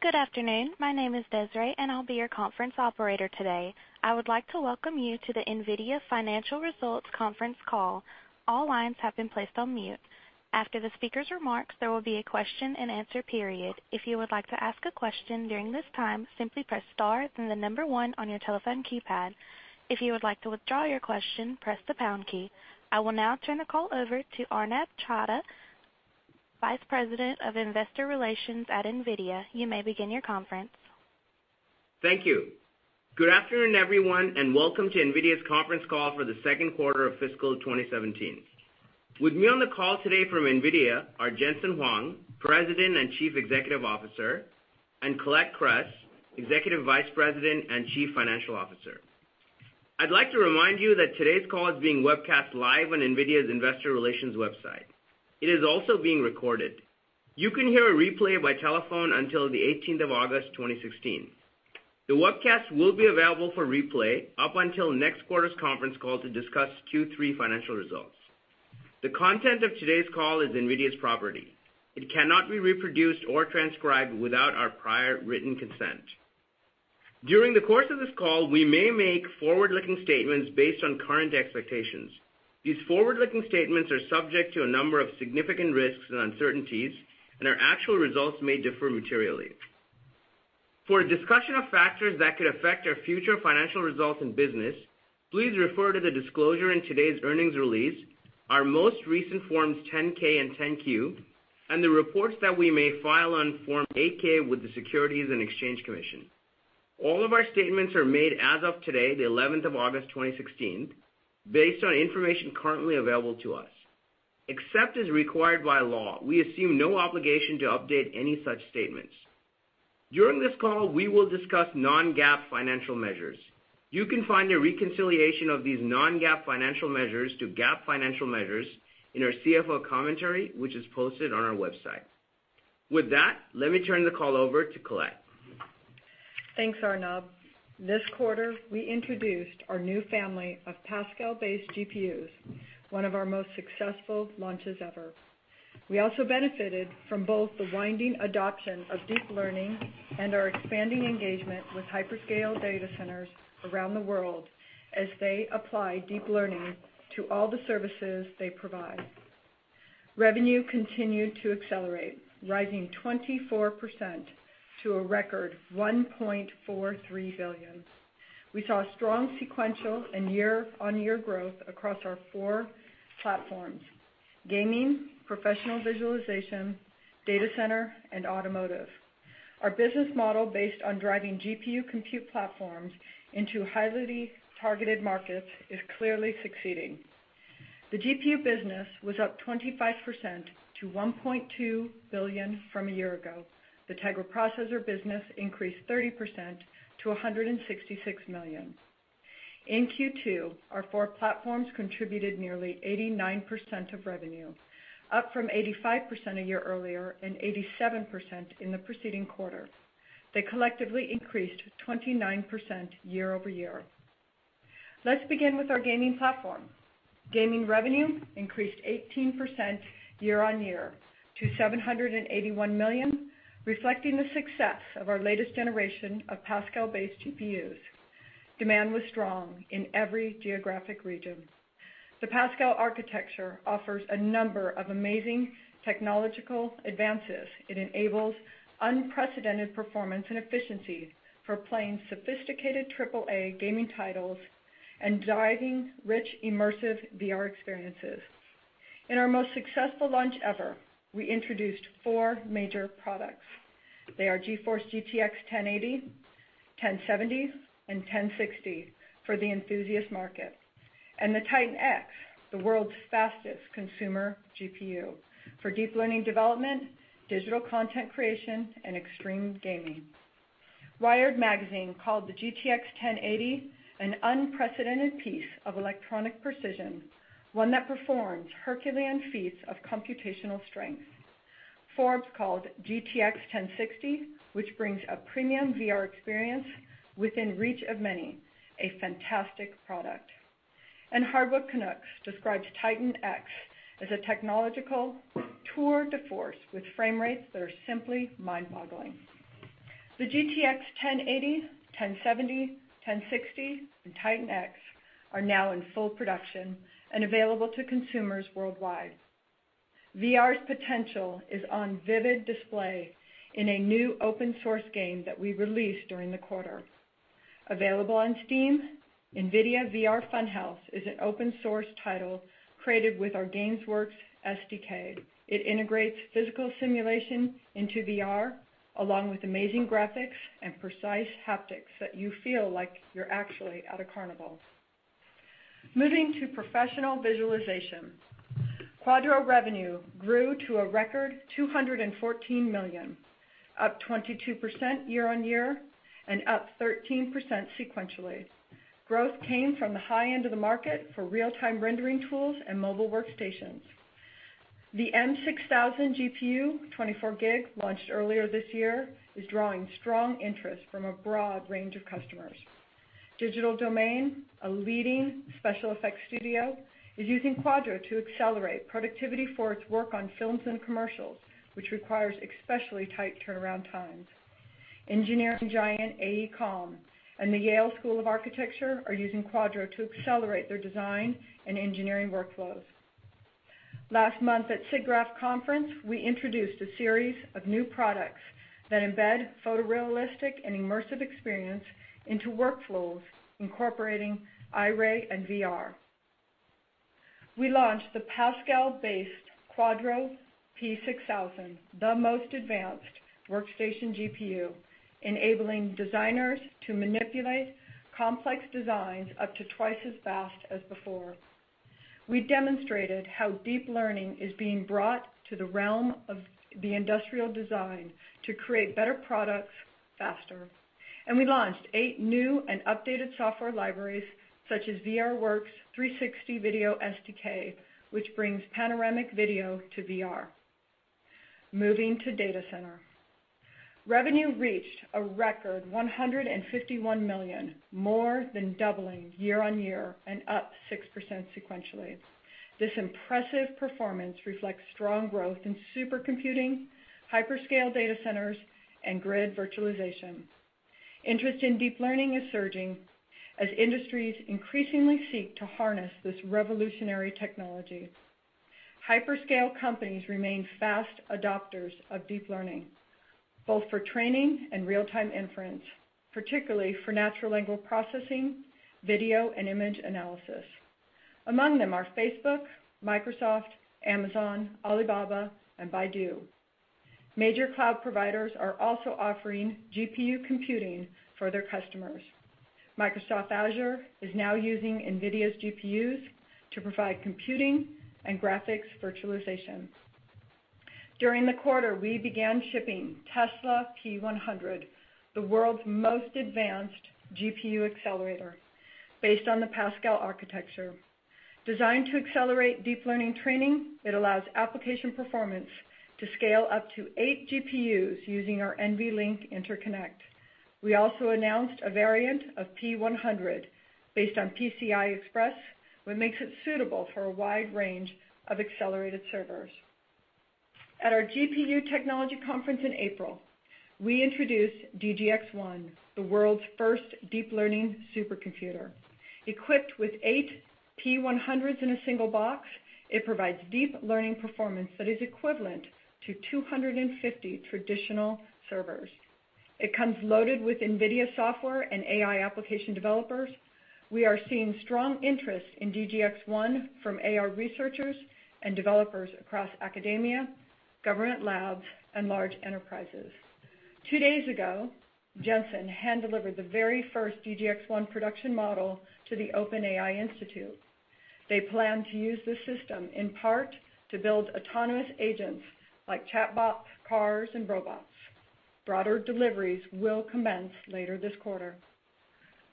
Good afternoon. My name is Desiree, and I will be your conference operator today. I would like to welcome you to the NVIDIA Financial Results conference call. All lines have been placed on mute. After the speakers' remarks, there will be a question and answer period. If you would like to ask a question during this time, simply press star then the number one on your telephone keypad. If you would like to withdraw your question, press the pound key. I will now turn the call over to Arnab Chanda, Vice President of Investor Relations at NVIDIA. You may begin your conference. Thank you. Good afternoon, everyone, and welcome to NVIDIA's conference call for the second quarter of fiscal 2017. With me on the call today from NVIDIA are Jensen Huang, President and Chief Executive Officer, and Colette Kress, Executive Vice President and Chief Financial Officer. I would like to remind you that today's call is being webcast live on NVIDIA's investor relations website. It is also being recorded. You can hear a replay by telephone until the 18th of August 2016. The webcast will be available for replay up until next quarter's conference call to discuss Q3 financial results. The content of today's call is NVIDIA's property. It cannot be reproduced or transcribed without our prior written consent. During the course of this call, we may make forward-looking statements based on current expectations. These forward-looking statements are subject to a number of significant risks and uncertainties, and our actual results may differ materially. For a discussion of factors that could affect our future financial results and business, please refer to the disclosure in today's earnings release, our most recent Forms 10-K and 10-Q, and the reports that we may file on Form 8-K with the Securities and Exchange Commission. All of our statements are made as of today, the 11th of August 2016, based on information currently available to us. Except as required by law, we assume no obligation to update any such statements. During this call, we will discuss non-GAAP financial measures. You can find a reconciliation of these non-GAAP financial measures to GAAP financial measures in our CFO commentary, which is posted on our website. With that, let me turn the call over to Colette. Thanks, Arnab. This quarter, we introduced our new family of Pascal-based GPUs, one of our most successful launches ever. We also benefited from both the winding adoption of deep learning and our expanding engagement with hyperscale data centers around the world as they apply deep learning to all the services they provide. Revenue continued to accelerate, rising 24% to a record $1.43 billion. We saw strong sequential and year-over-year growth across our four platforms, gaming, Professional Visualization, data center, and automotive. Our business model based on driving GPU compute platforms into highly targeted markets is clearly succeeding. The GPU business was up 25% to $1.2 billion from a year ago. The Tegra processor business increased 30% to $166 million. In Q2, our four platforms contributed nearly 89% of revenue, up from 85% a year earlier and 87% in the preceding quarter. They collectively increased 29% year-over-year. Let's begin with our gaming platform. Gaming revenue increased 18% year-on-year to $781 million, reflecting the success of our latest generation of Pascal-based GPUs. Demand was strong in every geographic region. The Pascal architecture offers a number of amazing technological advances. It enables unprecedented performance and efficiency for playing sophisticated triple-A gaming titles and driving rich, immersive VR experiences. In our most successful launch ever, we introduced four major products. They are GeForce GTX 1080, 1070, and 1060 for the enthusiast market, and the TITAN X, the world's fastest consumer GPU for deep learning development, digital content creation, and extreme gaming. WIRED magazine called the GTX 1080 an unprecedented piece of electronic precision, one that performs Herculean feats of computational strength. Forbes called GTX 1060, which brings a premium VR experience within reach of many, a fantastic product. Hardware Canucks describes TITAN X as a technological tour de force with frame rates that are simply mind-boggling. The GTX 1080, 1070, 1060, and TITAN X are now in full production and available to consumers worldwide. VR's potential is on vivid display in a new open source game that we released during the quarter. Available on Steam, NVIDIA VR Funhouse is an open source title created with our GameWorks SDK. It integrates physical simulation into VR, along with amazing graphics and precise haptics that you feel like you're actually at a carnival. Moving to professional visualization. Quadro revenue grew to a record $214 million, up 22% year-on-year and up 13% sequentially. Growth came from the high end of the market for real-time rendering tools and mobile workstations. The M6000 GPU, 24 GB, launched earlier this year, is drawing strong interest from a broad range of customers. Digital Domain, a leading special effects studio, is using Quadro to accelerate productivity for its work on films and commercials, which requires especially tight turnaround times. Engineering giant AECOM and the Yale School of Architecture are using Quadro to accelerate their design and engineering workflows. Last month at SIGGRAPH Conference, we introduced a series of new products that embed photorealistic and immersive experience into workflows incorporating Iray and VR. We launched the Pascal-based Quadro P6000, the most advanced workstation GPU, enabling designers to manipulate complex designs up to twice as fast as before. We demonstrated how deep learning is being brought to the realm of the industrial design to create better products faster. We launched eight new and updated software libraries such as VRWorks 360 Video SDK, which brings panoramic video to VR. Moving to data center. Revenue reached a record $151 million, more than doubling year-on-year and up 6% sequentially. This impressive performance reflects strong growth in supercomputing, hyperscale data centers, and grid virtualization. Interest in deep learning is surging as industries increasingly seek to harness this revolutionary technology. Hyperscale companies remain fast adopters of deep learning, both for training and real-time inference, particularly for natural language processing, video and image analysis. Among them are Facebook, Microsoft, Amazon, Alibaba, and Baidu. Major cloud providers are also offering GPU computing for their customers. Microsoft Azure is now using NVIDIA's GPUs to provide computing and graphics virtualization. During the quarter, we began shipping Tesla P100, the world's most advanced GPU accelerator based on the Pascal architecture. Designed to accelerate deep learning training, it allows application performance to scale up to eight GPUs using our NVLink interconnect. We also announced a variant of P100 based on PCI Express, what makes it suitable for a wide range of accelerated servers. At our GPU Technology Conference in April, we introduced DGX-1, the world's first deep learning supercomputer. Equipped with 8 P100s in a single box, it provides deep learning performance that is equivalent to 250 traditional servers. It comes loaded with NVIDIA software and AI application developers. We are seeing strong interest in DGX-1 from AI researchers and developers across academia, government labs, and large enterprises. Two days ago, Jensen hand-delivered the very first DGX-1 production model to the OpenAI Institute. They plan to use this system in part to build autonomous agents like chatbots, cars, and robots. Broader deliveries will commence later this quarter.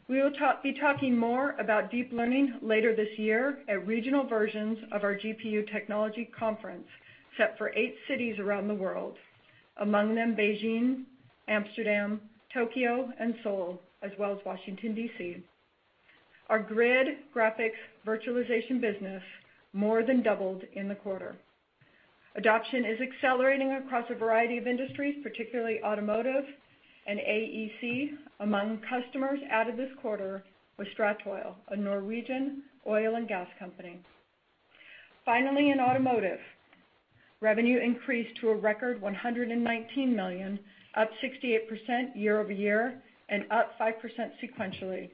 We will be talking more about deep learning later this year at regional versions of our GPU Technology Conference, set for 8 cities around the world. Among them Beijing, Amsterdam, Tokyo, and Seoul, as well as Washington, D.C. Our GRID graphic virtualization business more than doubled in the quarter. Adoption is accelerating across a variety of industries, particularly automotive and AEC. Among customers added this quarter was Statoil, a Norwegian oil and gas company. Finally, in automotive, revenue increased to a record $119 million, up 68% year-over-year, and up 5% sequentially,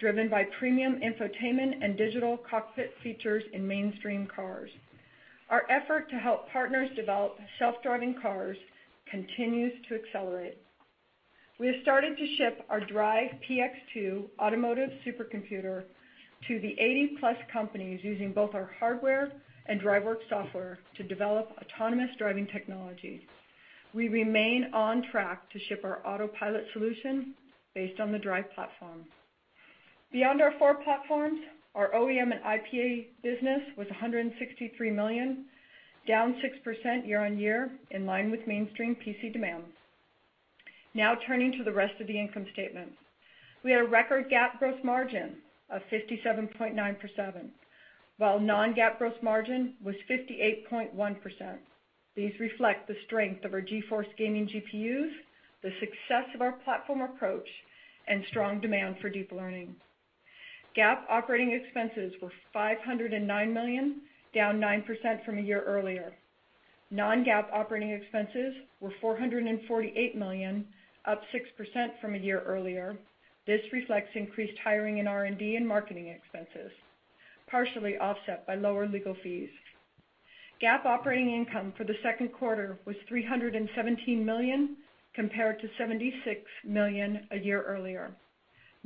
driven by premium infotainment and digital cockpit features in mainstream cars. Our effort to help partners develop self-driving cars continues to accelerate. We have started to ship our DRIVE PX 2 automotive supercomputer to the 80-plus companies using both our hardware and DriveWorks software to develop autonomous driving technology. We remain on track to ship our autopilot solution based on the DRIVE platform. Beyond our four platforms, our OEM and IP business was $163 million, down 6% year-on-year in line with mainstream PC demands. Turning to the rest of the income statement. We had a record GAAP gross margin of 57.9%, while non-GAAP gross margin was 58.1%. These reflect the strength of our GeForce gaming GPUs, the success of our platform approach, and strong demand for deep learning. GAAP operating expenses were $509 million, down 9% from a year earlier. Non-GAAP operating expenses were $448 million, up 6% from a year earlier. This reflects increased hiring in R&D and marketing expenses, partially offset by lower legal fees. GAAP operating income for the second quarter was $317 million, compared to $76 million a year earlier.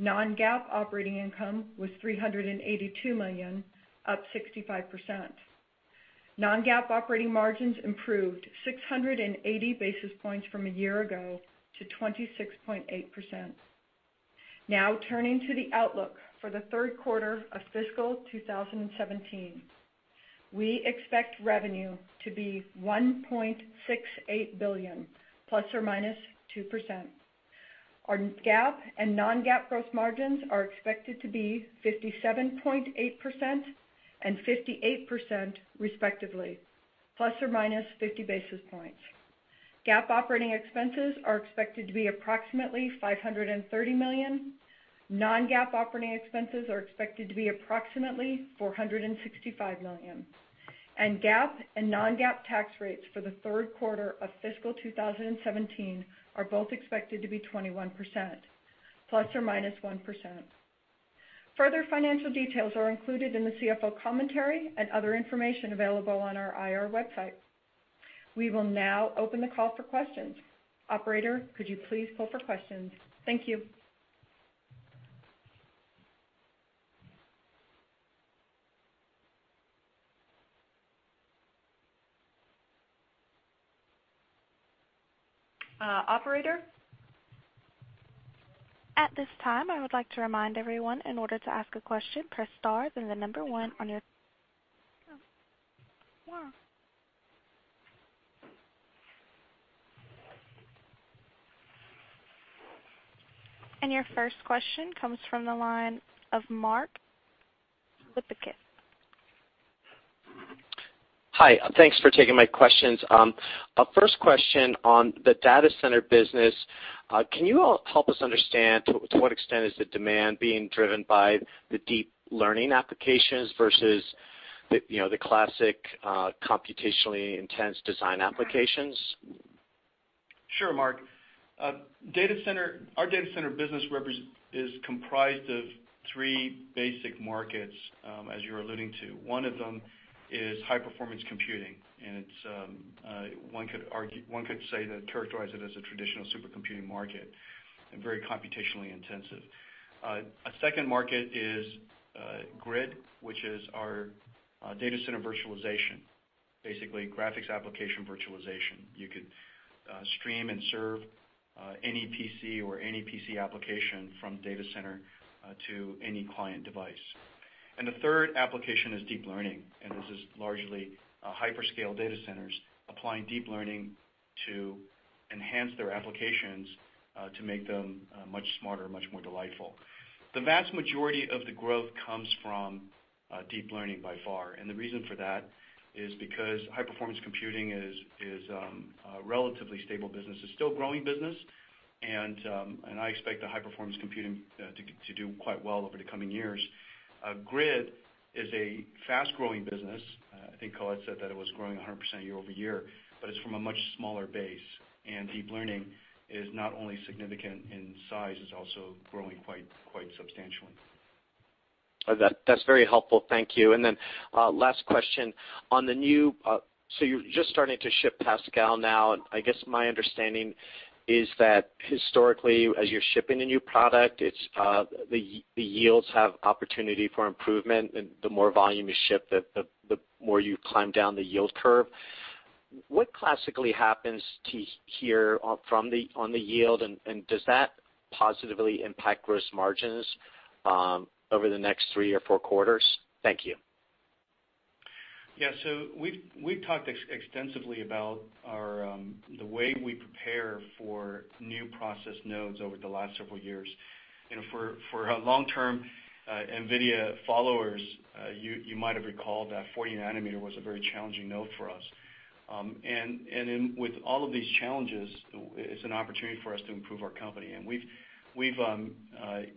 Non-GAAP operating income was $382 million, up 65%. Non-GAAP operating margins improved 680 basis points from a year ago to 26.8%. Turning to the outlook for the third quarter of fiscal 2017. We expect revenue to be $1.68 billion ±2%. Our GAAP and non-GAAP gross margins are expected to be 57.8% and 58%, respectively, ±50 basis points. GAAP operating expenses are expected to be approximately $530 million. Non-GAAP operating expenses are expected to be approximately $465 million. GAAP and non-GAAP tax rates for the third quarter of fiscal 2017 are both expected to be 21%, ±1%. Further financial details are included in the CFO commentary and other information available on our IR website. We will now open the call for questions. Operator, could you please pull for questions? Thank you. Operator? At this time, I would like to remind everyone, in order to ask a question, press star, then the number one. Your first question comes from the line of Mark Lipacis. Hi. Thanks for taking my questions. First question on the data center business. Can you help us understand to what extent is the demand being driven by the deep learning applications versus the classic computationally intense design applications? Sure, Mark. Our data center business is comprised of three basic markets, as you're alluding to. One of them is high-performance computing, and one could characterize it as a traditional supercomputing market, and very computationally intensive. A second market is GRID, which is our data center virtualization, basically graphics application virtualization. You could stream and serve any PC or any PC application from data center to any client device. The third application is deep learning, and this is largely hyperscale data centers applying deep learning to enhance their applications to make them much smarter, much more delightful. The vast majority of the growth comes from deep learning by far. The reason for that is because high-performance computing is a relatively stable business. It's still a growing business, and I expect the high-performance computing to do quite well over the coming years. GRID is a fast-growing business. I think Colette said that it was growing 100% year-over-year, but it's from a much smaller base. Deep learning is not only significant in size, it's also growing quite substantially. That's very helpful. Thank you. Last question. You're just starting to ship Pascal now, and I guess my understanding is that historically, as you're shipping a new product, the yields have opportunity for improvement, and the more volume you ship, the more you climb down the yield curve. What classically happens here on the yield, and does that positively impact gross margins over the next three or four quarters? Thank you. Yeah. We've talked extensively about the way we prepare for new process nodes over the last several years. For long-term NVIDIA followers, you might have recalled that 40 nanometer was a very challenging node for us. With all of these challenges, it's an opportunity for us to improve our company. We've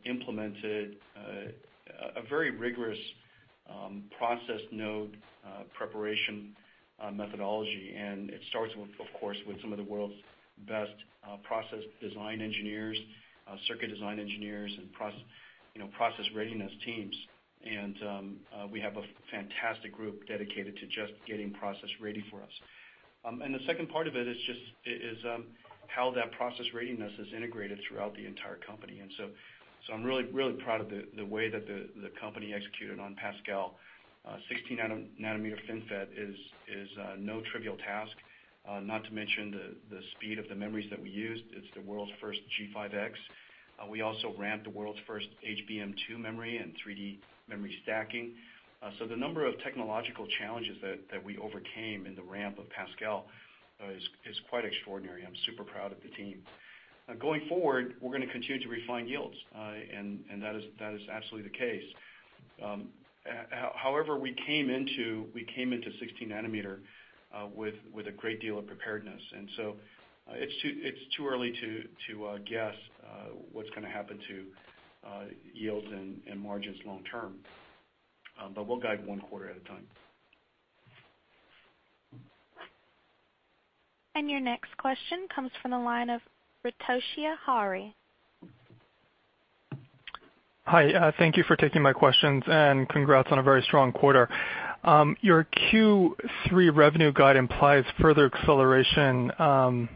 implemented a very rigorous process node preparation methodology, and it starts, of course, with some of the world's best process design engineers, circuit design engineers, and process readiness teams. We have a fantastic group dedicated to just getting process ready for us. The second part of it is how that process readiness is integrated throughout the entire company. I'm really proud of the way that the company executed on Pascal. 16 nanometer FinFET is no trivial task, not to mention the speed of the memories that we used. It's the world's first GDDR5X. We also ramped the world's first HBM2 memory and 3D memory stacking. The number of technological challenges that we overcame in the ramp of Pascal is quite extraordinary. I'm super proud of the team. Going forward, we're going to continue to refine yields, and that is absolutely the case. However, we came into 16 nanometer with a great deal of preparedness, and so it's too early to guess what's going to happen to yields and margins long term, but we'll guide one quarter at a time. Your next question comes from the line of Toshiya Hari. Hi, thank you for taking my questions, and congrats on a very strong quarter. Your Q3 revenue guide implies further acceleration on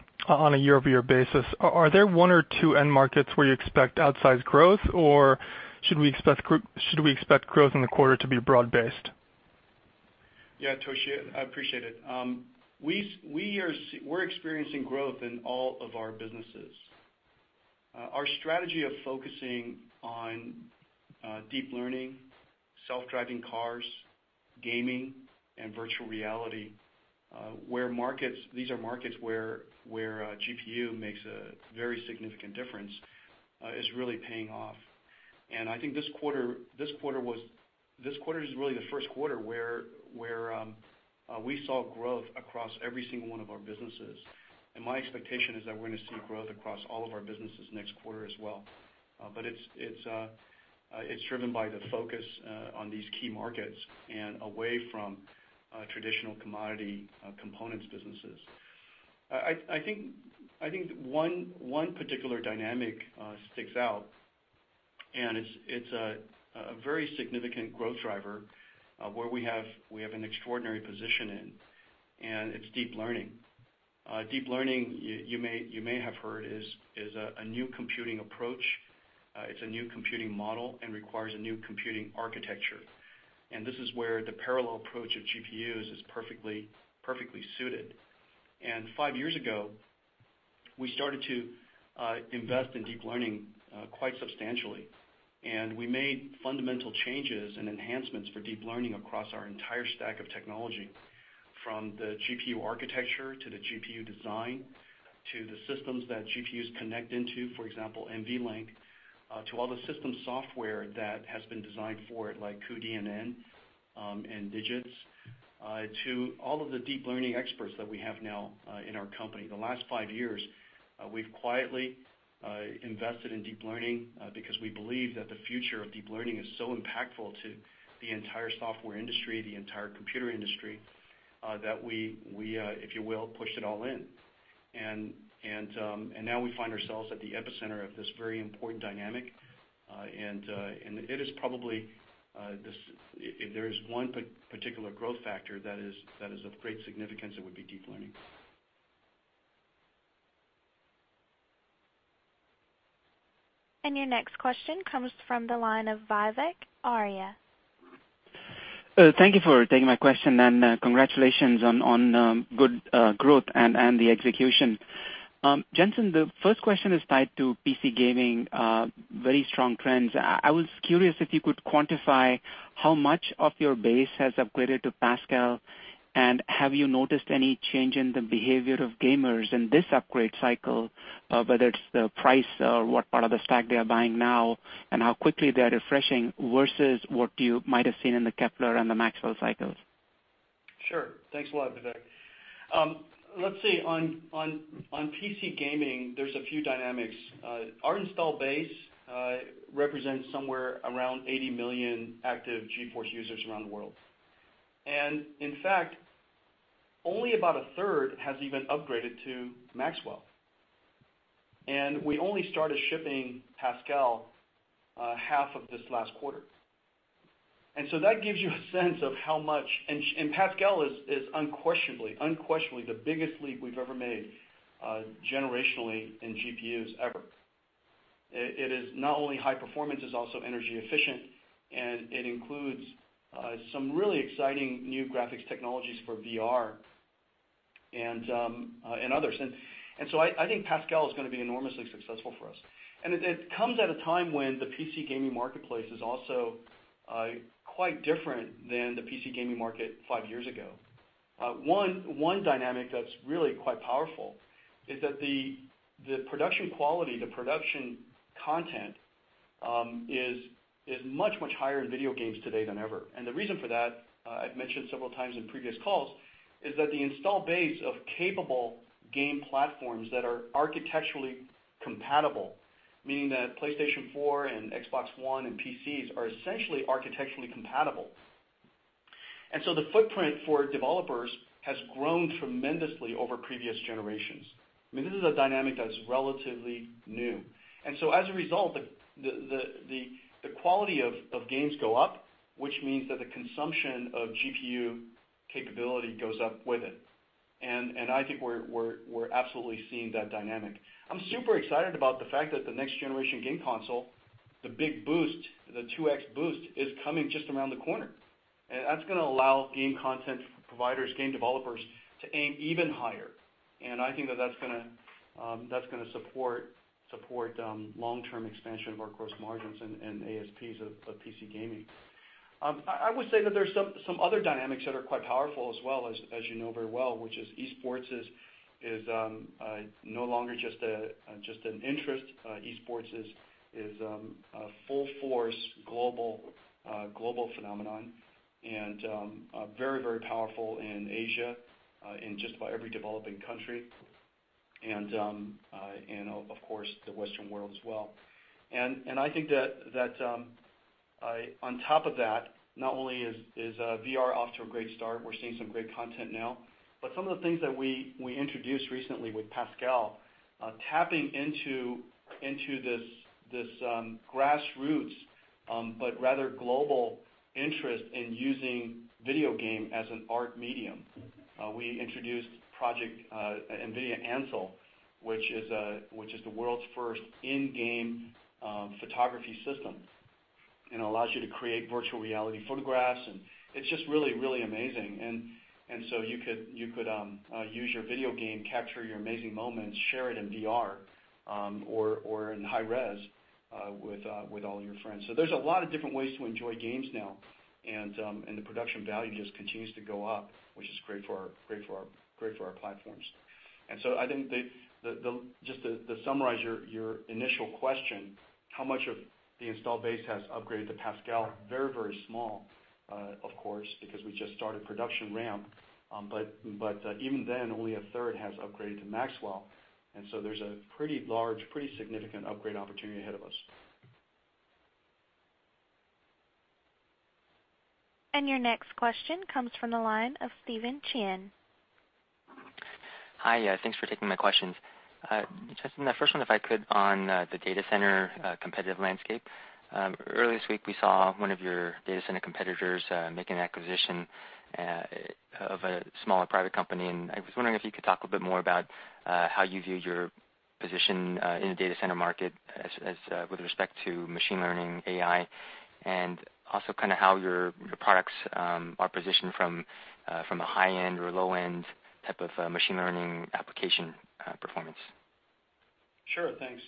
a year-over-year basis. Are there one or two end markets where you expect outsized growth, or should we expect growth in the quarter to be broad based? Yeah, Toshiya, I appreciate it. We're experiencing growth in all of our businesses. Our strategy of focusing on deep learning, self-driving cars, gaming, and virtual reality, these are markets where GPU makes a very significant difference, is really paying off. I think this quarter is really the first quarter where we saw growth across every single one of our businesses. My expectation is that we're going to see growth across all of our businesses next quarter as well. It's driven by the focus on these key markets and away from traditional commodity components businesses. I think one particular dynamic sticks out, and it's a very significant growth driver where we have an extraordinary position in, and it's deep learning. Deep learning, you may have heard, is a new computing approach. It's a new computing model and requires a new computing architecture. This is where the parallel approach of GPUs is perfectly suited. Five years ago, we started to invest in deep learning quite substantially. We made fundamental changes and enhancements for deep learning across our entire stack of technology, from the GPU architecture to the GPU design to the systems that GPUs connect into, for example, NVLink, to all the system software that has been designed for it, like cuDNN and DIGITS, to all of the deep learning experts that we have now in our company. The last five years, we've quietly invested in deep learning because we believe that the future of deep learning is so impactful to the entire software industry, the entire computer industry, that we, if you will, pushed it all in. Now we find ourselves at the epicenter of this very important dynamic. If there is one particular growth factor that is of great significance, it would be deep learning. Your next question comes from the line of Vivek Arya. Thank you for taking my question, and congratulations on good growth and the execution. Jensen, the first question is tied to PC gaming, very strong trends. I was curious if you could quantify how much of your base has upgraded to Pascal, and have you noticed any change in the behavior of gamers in this upgrade cycle, whether it's the price or what part of the stack they are buying now, and how quickly they are refreshing versus what you might have seen in the Kepler and the Maxwell cycles? Sure. Thanks a lot, Vivek. Let's see. On PC gaming, there's a few dynamics. Our install base represents somewhere around 80 million active GeForce users around the world. In fact, only about a third has even upgraded to Maxwell. We only started shipping Pascal half of this last quarter. That gives you a sense of how much. Pascal is unquestionably the biggest leap we've ever made generationally in GPUs ever. It is not only high performance, it's also energy efficient, and it includes some really exciting new graphics technologies for VR and others. I think Pascal is going to be enormously successful for us. It comes at a time when the PC gaming marketplace is also quite different than the PC gaming market five years ago. One dynamic that's really quite powerful is that the production quality, the production content, is much higher in video games today than ever. The reason for that, I've mentioned several times in previous calls, is that the install base of capable game platforms that are architecturally compatible, meaning that PlayStation 4 and Xbox One and PCs are essentially architecturally compatible. The footprint for developers has grown tremendously over previous generations. This is a dynamic that's relatively new. As a result, the quality of games go up, which means that the consumption of GPU capability goes up with it. I think we're absolutely seeing that dynamic. I'm super excited about the fact that the next generation game console, the big boost, the 2x boost, is coming just around the corner. That's going to allow game content providers, game developers, to aim even higher. I think that that's going to support long-term expansion of our gross margins and ASPs of PC gaming. I would say that there's some other dynamics that are quite powerful as well, as you know very well, which is eSports is no longer just an interest. eSports is a full-force global phenomenon, and very powerful in Asia, and just about every developing country, and of course, the Western world as well. I think that on top of that, not only is VR off to a great start, we're seeing some great content now, but some of the things that we introduced recently with Pascal, tapping into this grassroots, but rather global interest in using video game as an art medium. We introduced project NVIDIA Ansel, which is the world's first in-game Photography system. Allows you to create virtual reality photographs, and it's just really amazing. You could use your video game, capture your amazing moments, share it in VR, or in high res with all your friends. There's a lot of different ways to enjoy games now, and the production value just continues to go up, which is great for our platforms. I think just to summarize your initial question, how much of the installed base has upgraded to Pascal? Very small, of course, because we just started production ramp. Even then, only a third has upgraded to Maxwell, and so there's a pretty large, pretty significant upgrade opportunity ahead of us. Your next question comes from the line of Steven Chin. Thanks for taking my questions. Jensen, the first one, if I could, on the data center competitive landscape. Early this week, we saw one of your data center competitors make an acquisition of a smaller private company. I was wondering if you could talk a bit more about how you view your position in the data center market as with respect to machine learning, AI, and also how your products are positioned from a high-end or low-end type of machine learning application performance. Sure, thanks.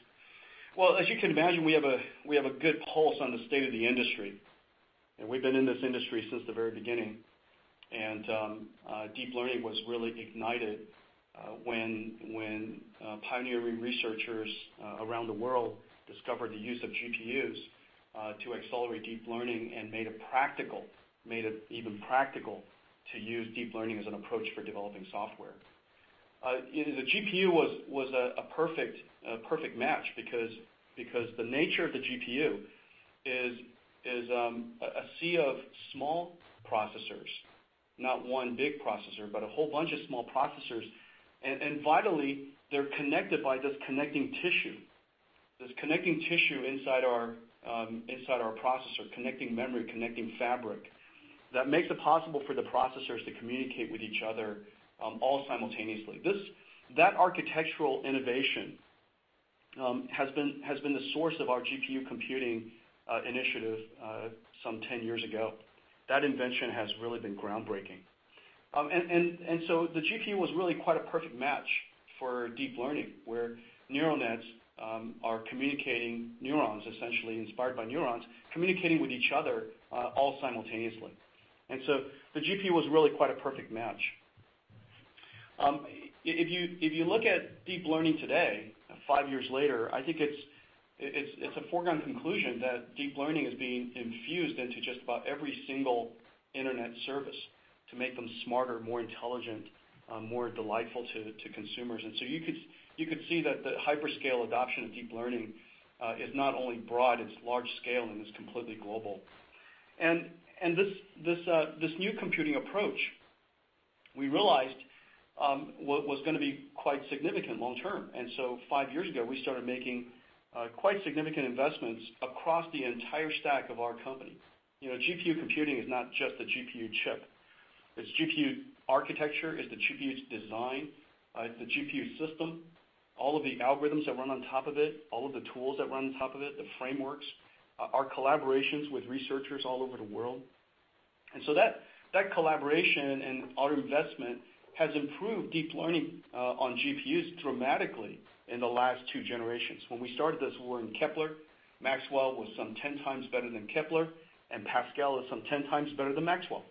Well, as you can imagine, we have a good pulse on the state of the industry. We've been in this industry since the very beginning. Deep learning was really ignited when pioneering researchers around the world discovered the use of GPUs to accelerate deep learning and made it even practical to use deep learning as an approach for developing software. The GPU was a perfect match because the nature of the GPU is a sea of small processors, not one big processor, but a whole bunch of small processors. Vitally, they're connected by this connecting tissue. This connecting tissue inside our processor, connecting memory, connecting fabric, that makes it possible for the processors to communicate with each other all simultaneously. That architectural innovation has been the source of our GPU computing initiative some 10 years ago. That invention has really been groundbreaking. The GPU was really quite a perfect match for deep learning, where neural nets are communicating neurons, essentially inspired by neurons, communicating with each other all simultaneously. The GPU was really quite a perfect match. If you look at deep learning today, five years later, I think it's a foregone conclusion that deep learning is being infused into just about every single internet service to make them smarter, more intelligent, more delightful to consumers. You could see that the hyperscale adoption of deep learning is not only broad, it's large scale, and it's completely global. This new computing approach, we realized, was going to be quite significant long term. Five years ago, we started making quite significant investments across the entire stack of our company. GPU computing is not just the GPU chip, it's GPU architecture, it's the GPU's design, the GPU system, all of the algorithms that run on top of it, all of the tools that run on top of it, the frameworks, our collaborations with researchers all over the world. That collaboration and our investment has improved deep learning on GPUs dramatically in the last two generations. When we started this, we were in Kepler. Maxwell was some 10 times better than Kepler. Pascal is some 10 times better than Maxwell.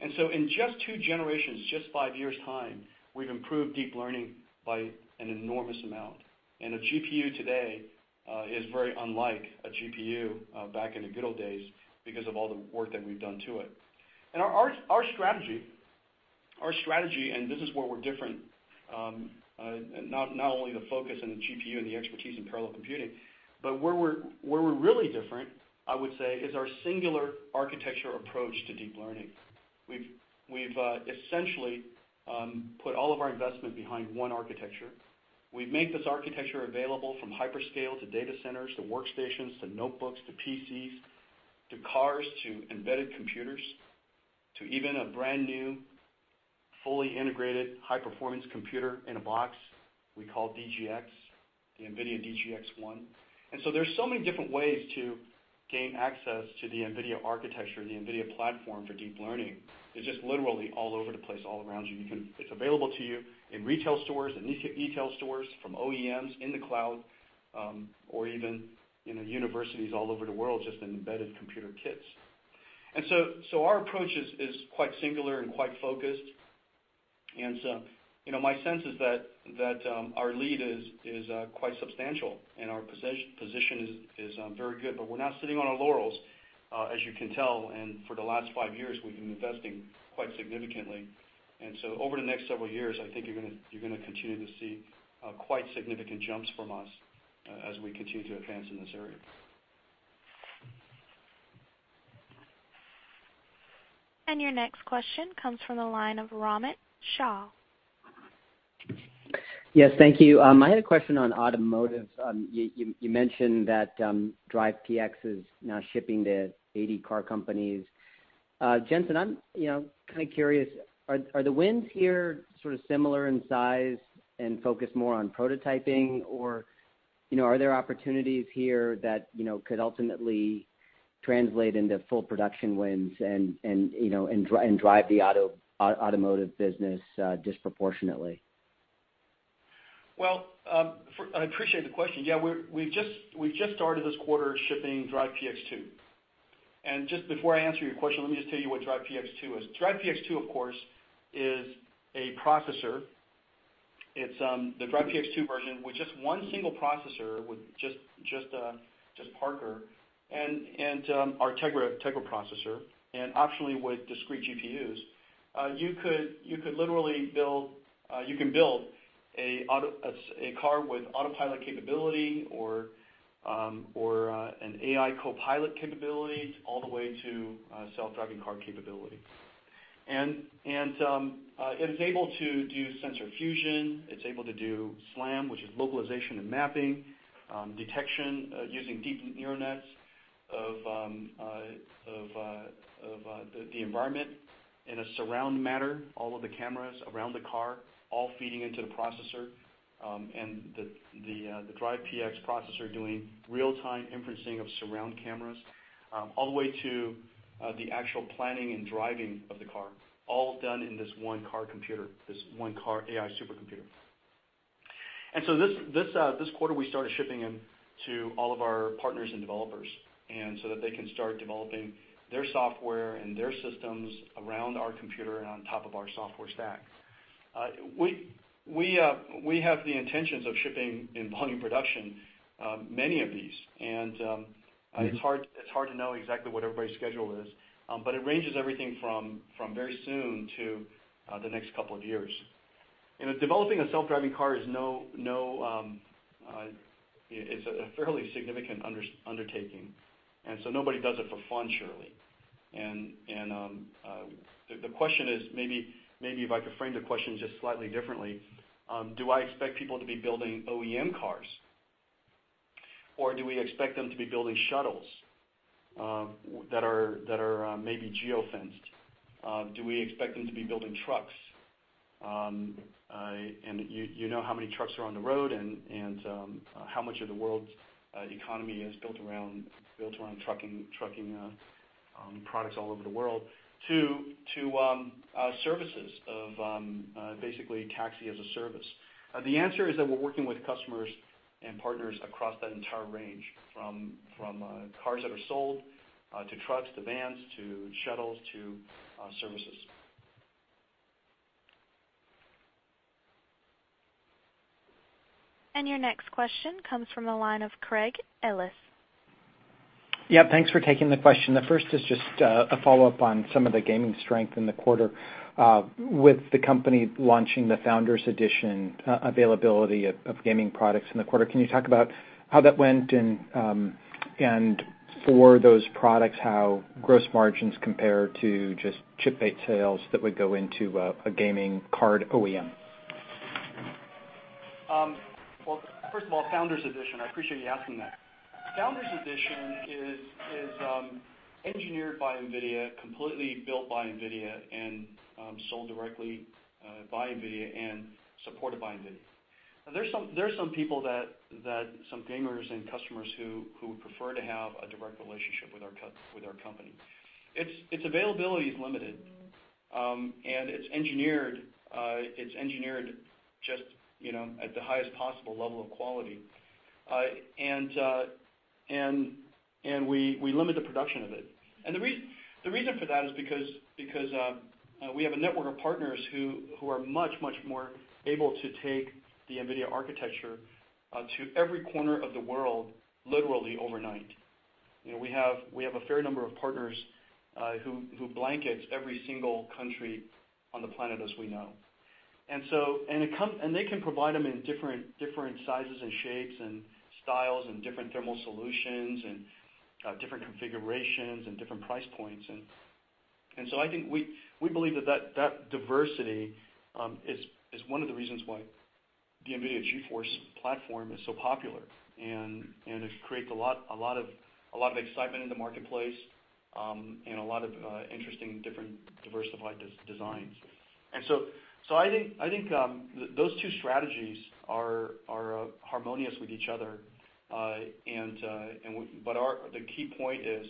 In just two generations, just five years' time, we've improved deep learning by an enormous amount. A GPU today is very unlike a GPU back in the good old days because of all the work that we've done to it. Our strategy, and this is where we're different, not only the focus on the GPU and the expertise in parallel computing, but where we're really different, I would say, is our singular architecture approach to deep learning. We've essentially put all of our investment behind one architecture. We've made this architecture available from hyperscale to data centers, to workstations, to notebooks, to PCs, to cars, to embedded computers, to even a brand-new, fully integrated high-performance computer in a box we call DGX, the NVIDIA DGX-1. There's so many different ways to gain access to the NVIDIA architecture and the NVIDIA platform for deep learning. It's just literally all over the place, all around you. It's available to you in retail stores, in e-tail stores, from OEMs, in the cloud, or even in universities all over the world, just in embedded computer kits. Our approach is quite singular and quite focused. My sense is that our lead is quite substantial and our position is very good, but we're not sitting on our laurels, as you can tell, and for the last five years, we've been investing quite significantly. Over the next several years, I think you're going to continue to see quite significant jumps from us as we continue to advance in this area. Your next question comes from the line of Romit Shah. Yes, thank you. I had a question on automotive. You mentioned that DRIVE PX is now shipping to 80 car companies. Jensen, I'm curious, are the wins here similar in size and focused more on prototyping, or are there opportunities here that could ultimately translate into full production wins and drive the automotive business disproportionately? Well, I appreciate the question. Yeah, we've just started this quarter shipping DRIVE PX 2. Just before I answer your question, let me just tell you what DRIVE PX 2 is. DRIVE PX 2, of course, is a processor. It's the DRIVE PX 2 version with just one single processor, with just Parker, and our Tegra processor, and optionally with discrete GPUs. You could literally build a car with autopilot capability or an AI co-pilot capability, all the way to self-driving car capability. It's able to do sensor fusion. It's able to do SLAM, which is localization and mapping, detection using deep neural nets of the environment in a surround manner, all of the cameras around the car, all feeding into the processor, and the Drive PX processor doing real-time inferencing of surround cameras, all the way to the actual planning and driving of the car, all done in this one car computer, this one car AI supercomputer. This quarter, we started shipping them to all of our partners and developers, and so that they can start developing their software and their systems around our computer and on top of our software stack. We have the intentions of shipping in volume production many of these, and it's hard to know exactly what everybody's schedule is. It ranges everything from very soon to the next couple of years. Developing a self-driving car is a fairly significant undertaking. Nobody does it for fun, surely. The question is, maybe if I could frame the question just slightly differently, do I expect people to be building OEM cars, or do we expect them to be building shuttles that are maybe geo-fenced? Do we expect them to be building trucks? You know how many trucks are on the road and how much of the world's economy is built around trucking products all over the world to services of basically taxi as a service. The answer is that we're working with customers and partners across that entire range, from cars that are sold, to trucks, to vans, to shuttles, to services. Your next question comes from the line of Craig Ellis. Yeah. Thanks for taking the question. The first is just a follow-up on some of the gaming strength in the quarter. With the company launching the Founders Edition availability of gaming products in the quarter, can you talk about how that went and for those products, how gross margins compare to just chip-based sales that would go into a gaming card OEM? Well, first of all, Founders Edition, I appreciate you asking that. Founders Edition is engineered by NVIDIA, completely built by NVIDIA, and sold directly by NVIDIA, and supported by NVIDIA. There are some people that some gamers and customers who would prefer to have a direct relationship with our company. Its availability is limited, and it's engineered just at the highest possible level of quality. We limit the production of it. The reason for that is because we have a network of partners who are much, much more able to take the NVIDIA architecture to every corner of the world, literally overnight. We have a fair number of partners who blanket every single country on the planet as we know. They can provide them in different sizes and shapes, and styles, and different thermal solutions, and different configurations, and different price points. I think we believe that diversity is one of the reasons why the NVIDIA GeForce platform is so popular. It creates a lot of excitement in the marketplace, and a lot of interesting, different diversified designs. I think those two strategies are harmonious with each other. The key point is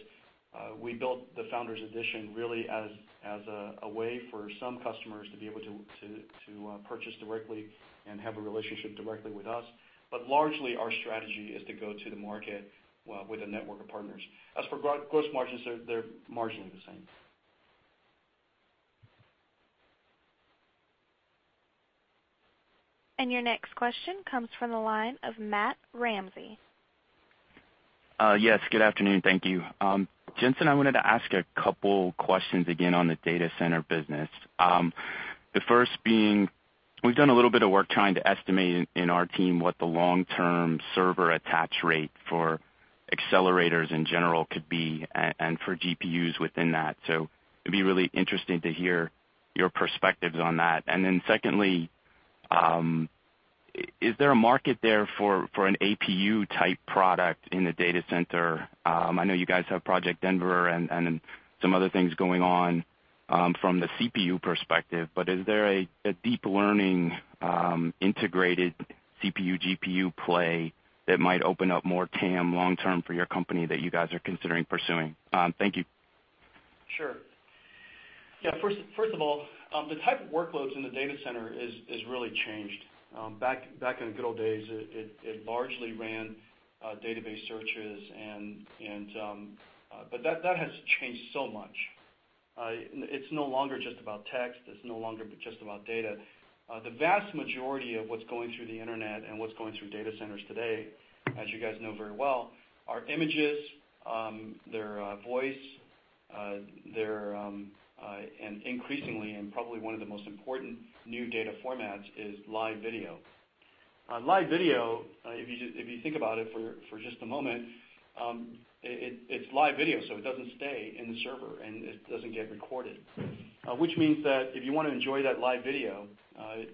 we built the Founders Edition really as a way for some customers to be able to purchase directly and have a relationship directly with us. Largely, our strategy is to go to the market with a network of partners. As for gross margins, they're marginally the same. Your next question comes from the line of Matt Ramsay. Yes. Good afternoon. Thank you. Jensen, I wanted to ask a couple questions again on the data center business. The first being, we've done a little bit of work trying to estimate in our team what the long-term server attach rate for accelerators in general could be and for GPUs within that. It'd be really interesting to hear your perspectives on that. Then secondly, is there a market there for an APU type product in the data center? I know you guys have Project Denver and some other things going on from the CPU perspective, but is there a deep learning, integrated CPU, GPU play that might open up more TAM long term for your company that you guys are considering pursuing? Thank you. Sure. Yeah. First of all, the type of workloads in the data center has really changed. Back in the good old days, it largely ran database searches but that has changed so much. It's no longer just about text. It's no longer just about data. The vast majority of what's going through the internet and what's going through data centers today, as you guys know very well, are images, they're voice, and increasingly, probably one of the most important new data formats is live video. Live video, if you think about it for just a moment, it's live video, it doesn't stay in the server, and it doesn't get recorded. Which means that if you want to enjoy that live video,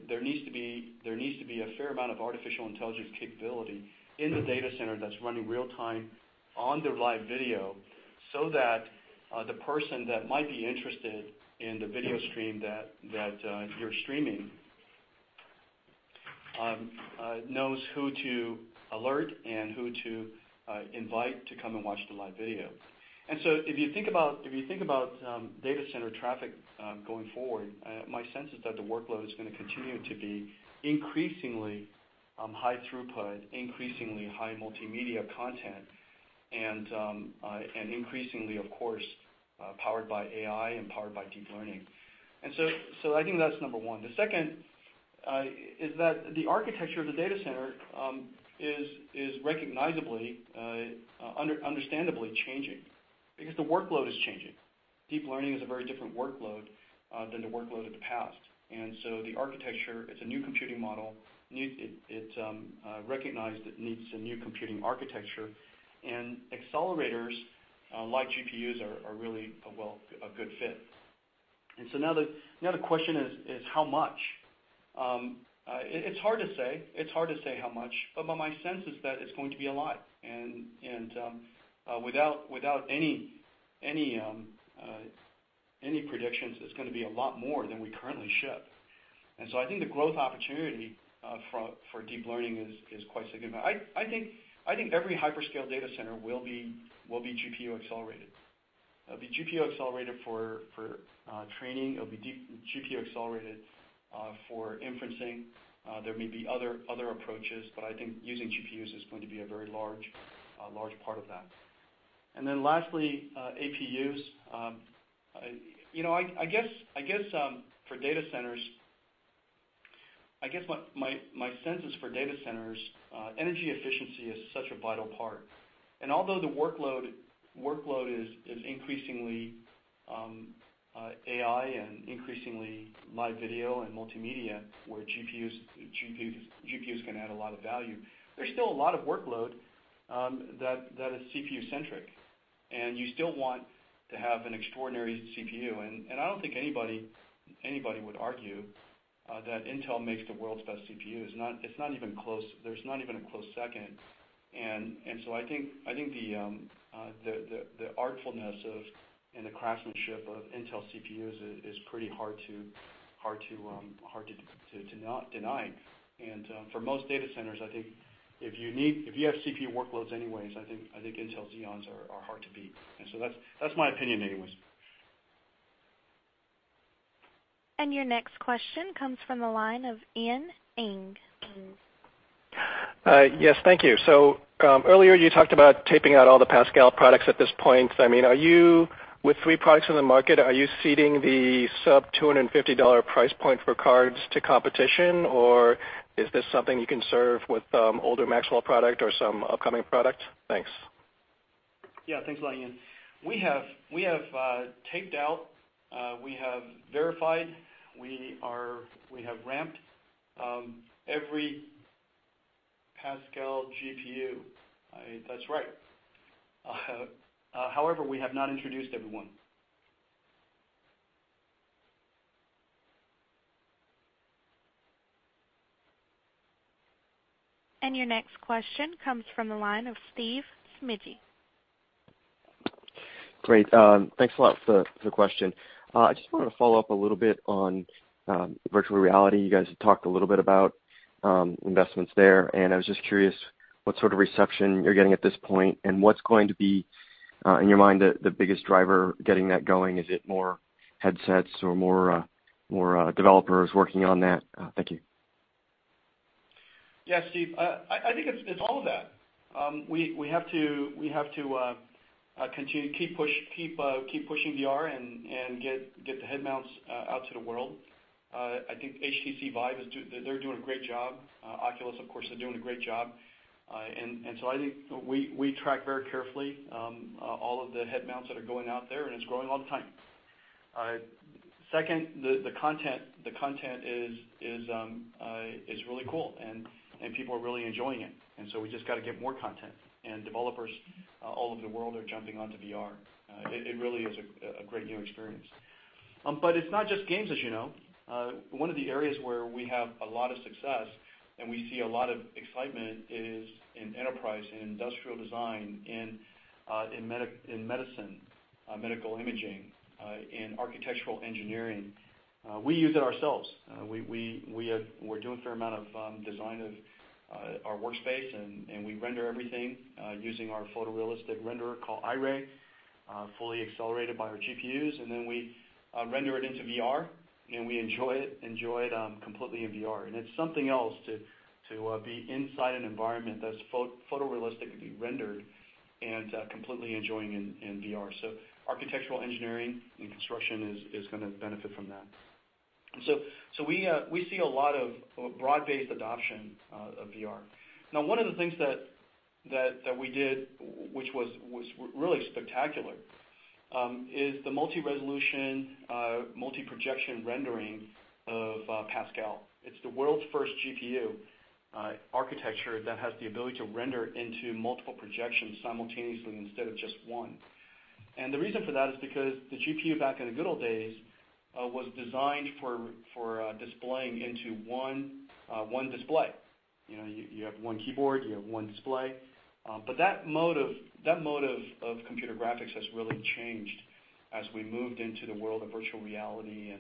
there needs to be a fair amount of artificial intelligence capability in the data center that's running real time on the live video so that the person that might be interested in the video stream that you're streaming knows who to alert and who to invite to come and watch the live video. If you think about data center traffic going forward, my sense is that the workload is going to continue to be increasingly high throughput, increasingly high multimedia content, and increasingly, of course, powered by AI and powered by deep learning. I think that's number one. The second is that the architecture of the data center is recognizably, understandably changing because the workload is changing. Deep learning is a very different workload than the workload of the past. The architecture, it's a new computing model. It's recognized it needs a new computing architecture and accelerators like GPUs are really a good fit. Now the question is how much. It's hard to say how much, my sense is that it's going to be a lot. Without any predictions, it's going to be a lot more than we currently ship. I think the growth opportunity for deep learning is quite significant. I think every hyperscale data center will be GPU accelerated. It'll be GPU accelerated for training. It'll be GPU accelerated for inferencing. There may be other approaches, I think using GPUs is going to be a very large part of that. Then lastly, APUs. I guess my sense is for data centers, energy efficiency is such a vital part. Although the workload is increasingly AI and increasingly live video and multimedia, where GPUs can add a lot of value, there's still a lot of workload that is CPU centric. You still want to have an extraordinary CPU. I don't think anybody would argue that Intel makes the world's best CPUs. There's not even a close second. I think the artfulness and the craftsmanship of Intel CPUs is pretty hard to deny. For most data centers, I think if you have CPU workloads anyways, I think Intel Xeons are hard to beat. That's my opinion anyways. Your next question comes from the line of Ian Ing. Yes. Thank you. Earlier you talked about taping out all the Pascal products at this point. Are you with three products in the market, are you ceding the sub-$250 price point for cards to competition, or is this something you can serve with older Maxwell product or some upcoming product? Thanks. Yeah. Thanks a lot, Ian. We have taped out, we have verified, we have ramped every Pascal GPU. That's right. However, we have not introduced everyone. Your next question comes from the line of Steve Smigie. Great. Thanks a lot for the question. I just wanted to follow up a little bit on virtual reality. You guys talked a little bit about investments there, I was just curious what sort of reception you're getting at this point, what's going to be, in your mind, the biggest driver getting that going? Is it more headsets or more developers working on that? Thank you. Yeah, Steve. I think it's all of that. We have to continue to keep pushing VR and get the head mounts out to the world. I think HTC Vive, they're doing a great job. Oculus, of course, they're doing a great job. I think we track very carefully all of the head mounts that are going out there, it's growing all the time. Second, the content is really cool, people are really enjoying it. We just got to get more content, developers all over the world are jumping onto VR. It really is a great new experience. It's not just games, as you know. One of the areas where we have a lot of success and we see a lot of excitement is in enterprise, in industrial design, in medicine, medical imaging, in architectural engineering. We use it ourselves. We're doing a fair amount of design of our workspace, we render everything using our photorealistic renderer called Iray, fully accelerated by our GPUs. We render it into VR, we enjoy it completely in VR. It's something else to be inside an environment that's photorealistically rendered completely enjoying in VR. Architectural engineering and construction is going to benefit from that. We see a lot of broad-based adoption of VR. One of the things that we did, which was really spectacular, is the multi-resolution, multi-projection rendering of Pascal. It's the world's first GPU architecture that has the ability to render into multiple projections simultaneously instead of just one. The reason for that is because the GPU back in the good old days was designed for displaying into one display. You have one keyboard, you have one display. That mode of computer graphics has really changed as we moved into the world of virtual reality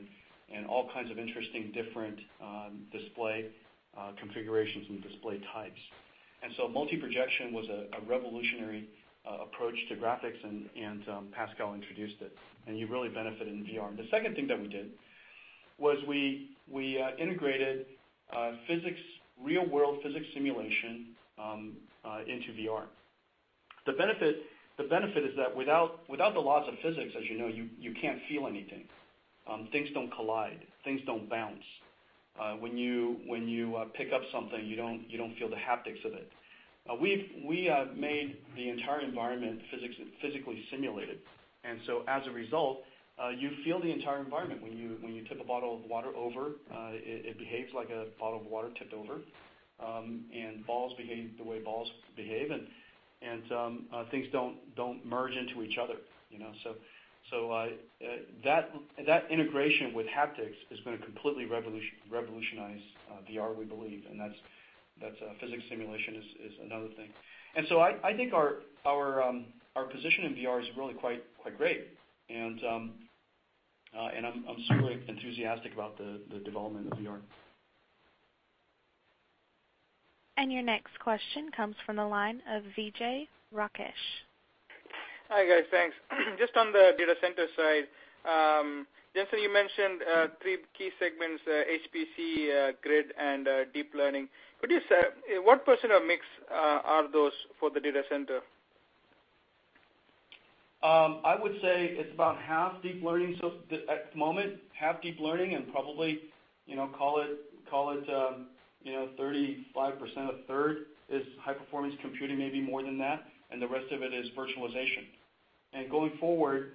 and all kinds of interesting different display configurations and display types. Multi-projection was a revolutionary approach to graphics, and Pascal introduced it, and you really benefit in VR. The second thing that we did was we integrated real-world physics simulation into VR. The benefit is that without the laws of physics, as you know, you can't feel anything. Things don't collide. Things don't bounce. When you pick up something, you don't feel the haptics of it. We have made the entire environment physically simulated, and as a result, you feel the entire environment. When you tip a bottle of water over, it behaves like a bottle of water tipped over, and balls behave the way balls behave, and things don't merge into each other. That integration with haptics is going to completely revolutionize VR, we believe, and physics simulation is another thing. I think our position in VR is really quite great, and I'm extremely enthusiastic about the development of VR. Your next question comes from the line of Vijay Rakesh. Hi, guys. Thanks. Just on the data center side, Jensen, you mentioned three key segments, HPC, grid, and deep learning. What % of mix are those for the data center? I would say it's about half deep learning at the moment, half deep learning, and probably call it 35%, a third is high-performance computing, maybe more than that, and the rest of it is virtualization. Going forward,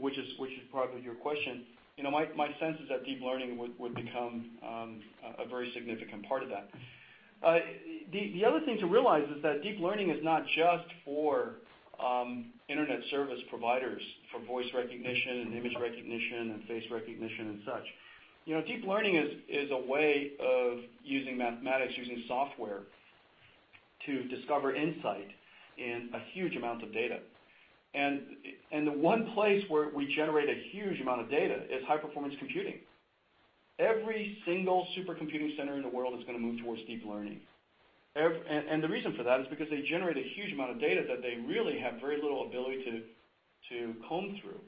which is probably your question, my sense is that deep learning would become a very significant part of that. The other thing to realize is that deep learning is not just for internet service providers, for voice recognition and image recognition and face recognition and such. Deep learning is a way of using mathematics, using software to discover insight in huge amounts of data. The one place where we generate a huge amount of data is high-performance computing. Every single supercomputing center in the world is going to move towards deep learning. The reason for that is because they generate a huge amount of data that they really have very little ability to comb through,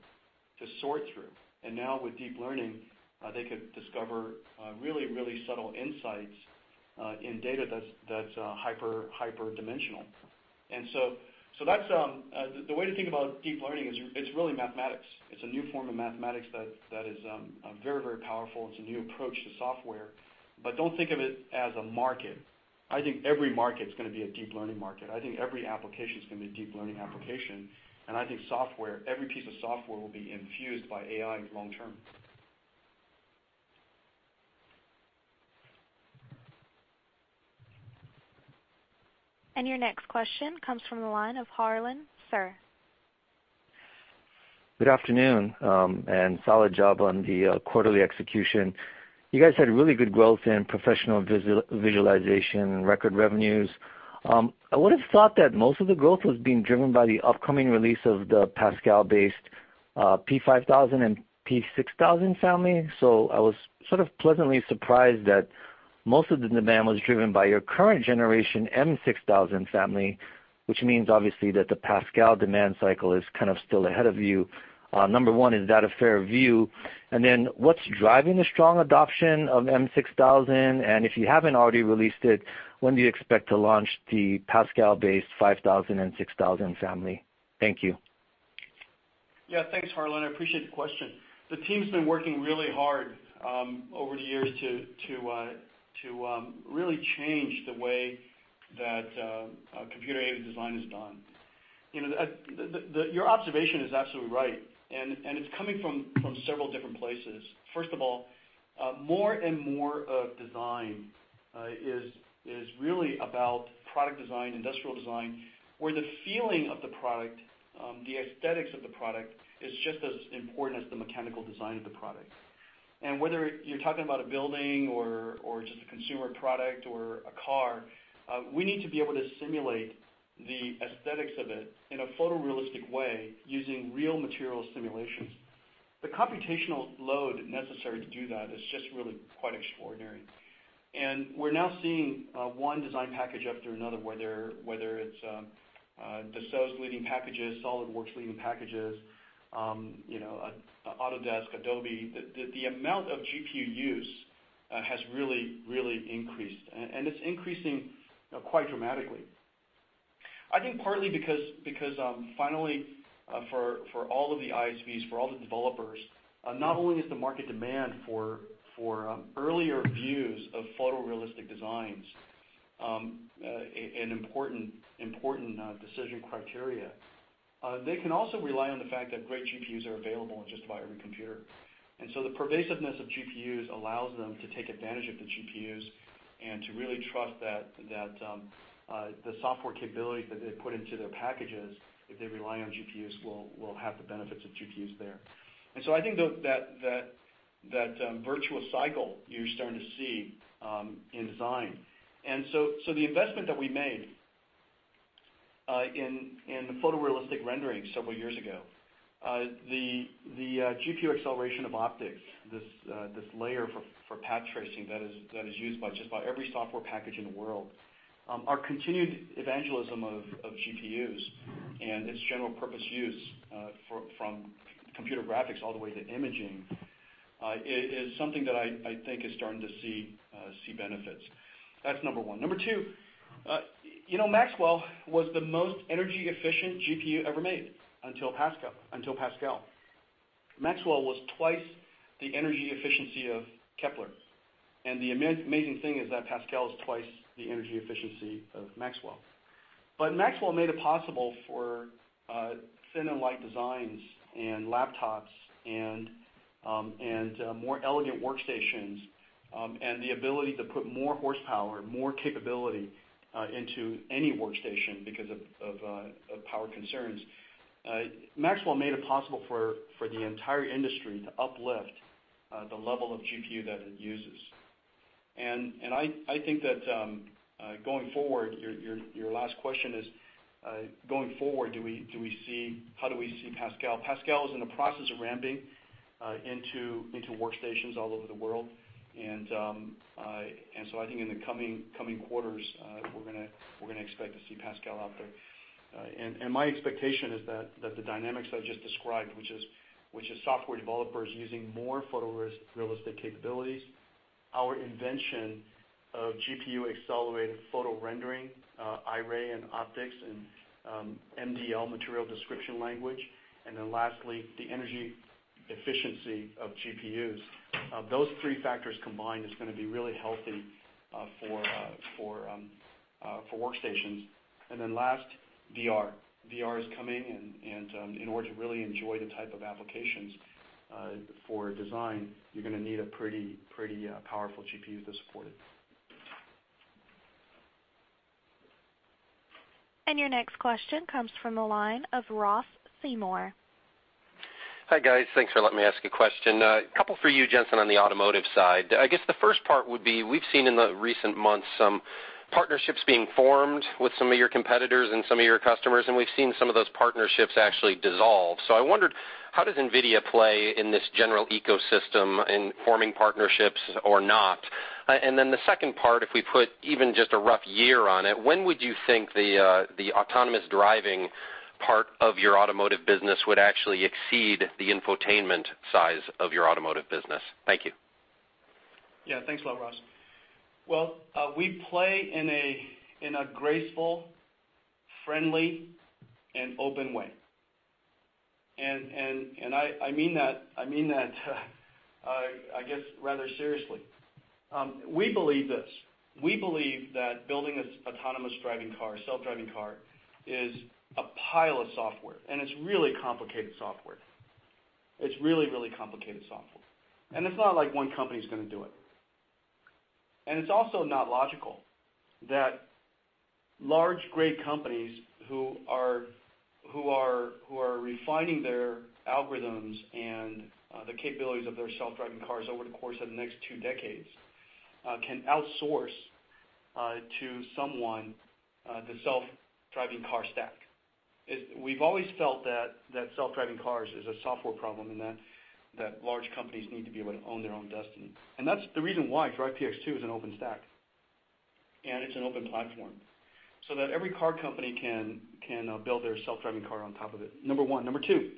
to sort through. Now with deep learning, they could discover really subtle insights in data that's hyper-dimensional. The way to think about deep learning is it's really mathematics. It's a new form of mathematics that is very powerful. It's a new approach to software. Don't think of it as a market. I think every market's going to be a deep learning market. I think every application's going to be a deep learning application, and I think every piece of software will be infused by AI long term. Your next question comes from the line of Harlan Sur. Good afternoon, and solid job on the quarterly execution. You guys had really good growth in professional visualization and record revenues. I would've thought that most of the growth was being driven by the upcoming release of the Pascal-based P5000 and P6000 family. I was sort of pleasantly surprised that most of the demand was driven by your current generation M6000 family, which means obviously that the Pascal demand cycle is kind of still ahead of you. Number 1, is that a fair view? Then what's driving the strong adoption of M6000, and if you haven't already released it, when do you expect to launch the Pascal-based 5000 and 6000 family? Thank you. Yeah. Thanks, Harlan. I appreciate the question. The team's been working really hard over the years to really change the way that computer-aided design is done. Your observation is absolutely right. It's coming from several different places. First of all More and more of design is really about product design, industrial design, where the feeling of the product, the aesthetics of the product, is just as important as the mechanical design of the product. Whether you're talking about a building or just a consumer product or a car, we need to be able to simulate the aesthetics of it in a photorealistic way using real material simulations. The computational load necessary to do that is just really quite extraordinary. We're now seeing one design package after another, whether it's Dassault's leading packages, SOLIDWORKS leading packages, Autodesk, Adobe. The amount of GPU use has really increased. It's increasing quite dramatically. I think partly because finally, for all of the ISVs, for all the developers, not only is the market demand for earlier views of photorealistic designs an important decision criteria, they can also rely on the fact that great GPUs are available in just about every computer. The pervasiveness of GPUs allows them to take advantage of the GPUs and to really trust that the software capabilities that they put into their packages, if they rely on GPUs, will have the benefits of GPUs there. I think that virtual cycle, you're starting to see in design. The investment that we made in the photorealistic rendering several years ago, the GPU acceleration of OptiX, this layer for path tracing that is used by just about every software package in the world, our continued evangelism of GPUs and its general purpose use from computer graphics all the way to imaging, is something that I think is starting to see benefits. That's number one. Number two, Maxwell was the most energy efficient GPU ever made until Pascal. Maxwell was twice the energy efficiency of Kepler. The amazing thing is that Pascal is twice the energy efficiency of Maxwell. Maxwell made it possible for thin and light designs in laptops and more elegant workstations. The ability to put more horsepower, more capability into any workstation because of power concerns. Maxwell made it possible for the entire industry to uplift the level of GPU that it uses. I think that going forward, your last question is, going forward, how do we see Pascal? Pascal is in the process of ramping into workstations all over the world. I think in the coming quarters, we're going to expect to see Pascal out there. My expectation is that the dynamics I've just described, which is software developers using more photorealistic capabilities, our invention of GPU-accelerated photo rendering, Iray and OptiX, and MDL, material description language, lastly, the energy efficiency of GPUs. Those three factors combined is going to be really healthy for workstations. Last, VR. VR is coming. In order to really enjoy the type of applications for design, you're going to need a pretty powerful GPU to support it. Your next question comes from the line of Ross Seymore. Hi, guys. Thanks for letting me ask a question. A couple for you, Jensen, on the automotive side. I guess the first part would be, we've seen in the recent months some partnerships being formed with some of your competitors and some of your customers, and we've seen some of those partnerships actually dissolve. I wondered, how does NVIDIA play in this general ecosystem in forming partnerships or not? The second part, if we put even just a rough year on it, when would you think the autonomous driving part of your automotive business would actually exceed the infotainment size of your automotive business? Thank you. Yeah. Thanks a lot, Ross. Well, we play in a graceful, friendly, and open way. I mean that I guess, rather seriously. We believe this: We believe that building an autonomous driving car, a self-driving car, is a pile of software, and it's really complicated software. It's really, really complicated software. It's not like 1 company's going to do it. It's also not logical that large, great companies who are refining their algorithms and the capabilities of their self-driving cars over the course of the next two decades can outsource to someone the self-driving car stack. We've always felt that self-driving cars is a software problem, and that large companies need to be able to own their own destiny. That's the reason why DRIVE PX 2 is an open stack, and it's an open platform, so that every car company can build their self-driving car on top of it, number 1. Number 2,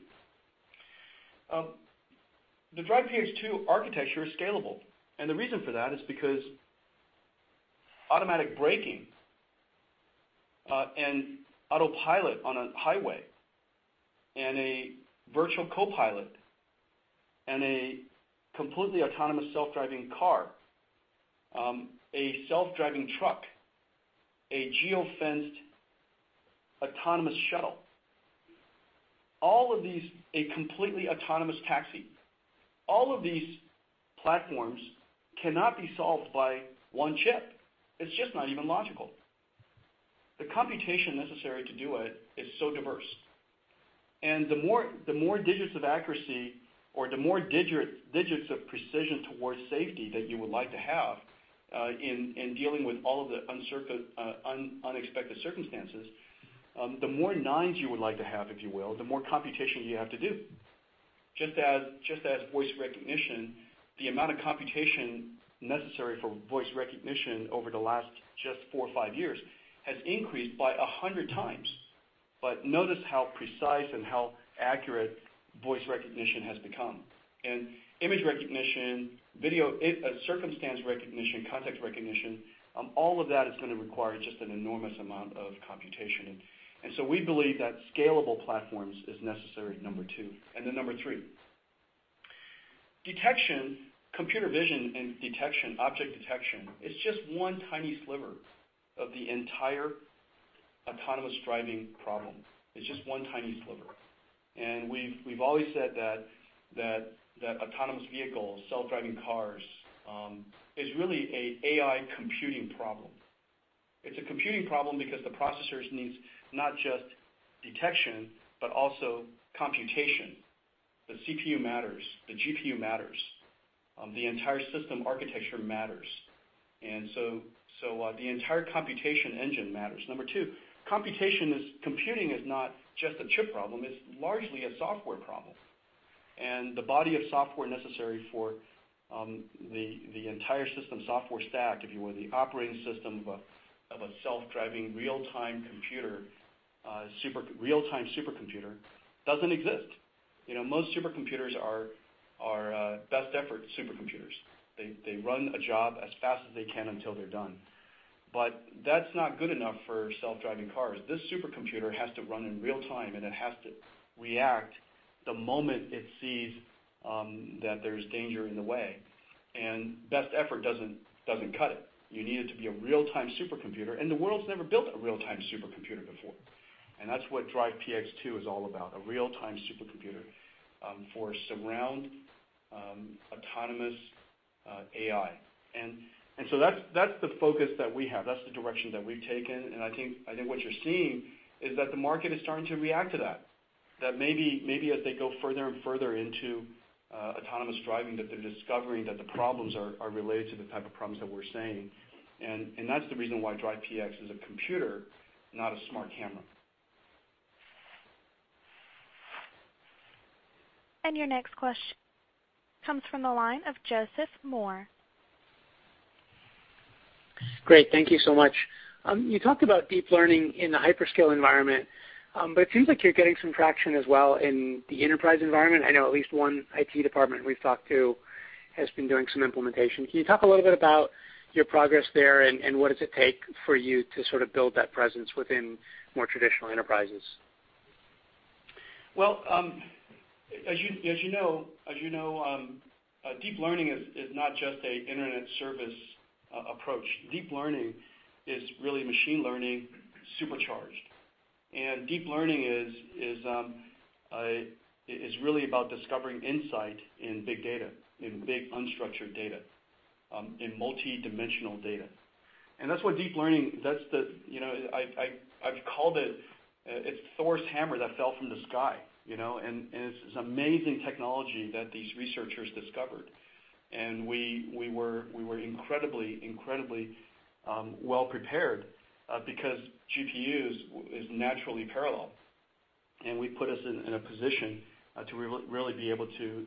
the DRIVE PX 2 architecture is scalable, and the reason for that is because automatic braking and autopilot on a highway and a virtual co-pilot and a completely autonomous self-driving car, a self-driving truck, a geo-fenced autonomous shuttle, all of these, a completely autonomous taxi. All of these platforms cannot be solved by 1 chip. It's just not even logical. The computation necessary to do it is so diverse, and the more digits of accuracy or the more digits of precision towards safety that you would like to have, in dealing with all of the unexpected circumstances, the more nines you would like to have, if you will, the more computation you have to do. Just as voice recognition, the amount of computation necessary for voice recognition over the last just four or five years has increased by 100 times. Notice how precise and how accurate voice recognition has become. Image recognition, video, circumstance recognition, context recognition, all of that is going to require just an enormous amount of computation. So we believe that scalable platforms is necessary, number 2. Then number 3, detection, computer vision and detection, object detection is just one tiny sliver of the entire autonomous driving problem. It's just one tiny sliver. We've always said that autonomous vehicles, self-driving cars, is really an AI computing problem. It's a computing problem because the processors needs not just detection, but also computation. The CPU matters, the GPU matters. The entire system architecture matters. So the entire computation engine matters. Number 2, computing is not just a chip problem, it's largely a software problem. The body of software necessary for the entire system software stack, if you will, the operating system of a self-driving real-time supercomputer, doesn't exist. Most supercomputers are best effort supercomputers. They run a job as fast as they can until they're done. That's not good enough for self-driving cars. This supercomputer has to run in real time, and it has to react the moment it sees that there's danger in the way, and best effort doesn't cut it. You need it to be a real-time supercomputer, and the world's never built a real-time supercomputer before. That's what Drive PX 2 is all about, a real-time supercomputer, for surround autonomous AI. So that's the focus that we have. That's the direction that we've taken. I think what you're seeing is that the market is starting to react to that maybe as they go further and further into autonomous driving, that they're discovering that the problems are related to the type of problems that we're saying. That's the reason why Drive PX is a computer, not a smart camera. Your next question comes from the line of Joseph Moore. Great. Thank you so much. You talked about deep learning in the hyperscale environment, it seems like you're getting some traction as well in the enterprise environment. I know at least one IT department we've talked to has been doing some implementation. Can you talk a little bit about your progress there, what does it take for you to sort of build that presence within more traditional enterprises? Well, as you know, deep learning is not just an internet service approach. Deep learning is really machine learning supercharged. Deep learning is really about discovering insight in big data, in big unstructured data, in multidimensional data. That's what deep learning I've called it Thor's hammer that fell from the sky. It's this amazing technology that these researchers discovered. We were incredibly well-prepared, because GPUs is naturally parallel, we put us in a position to really be able to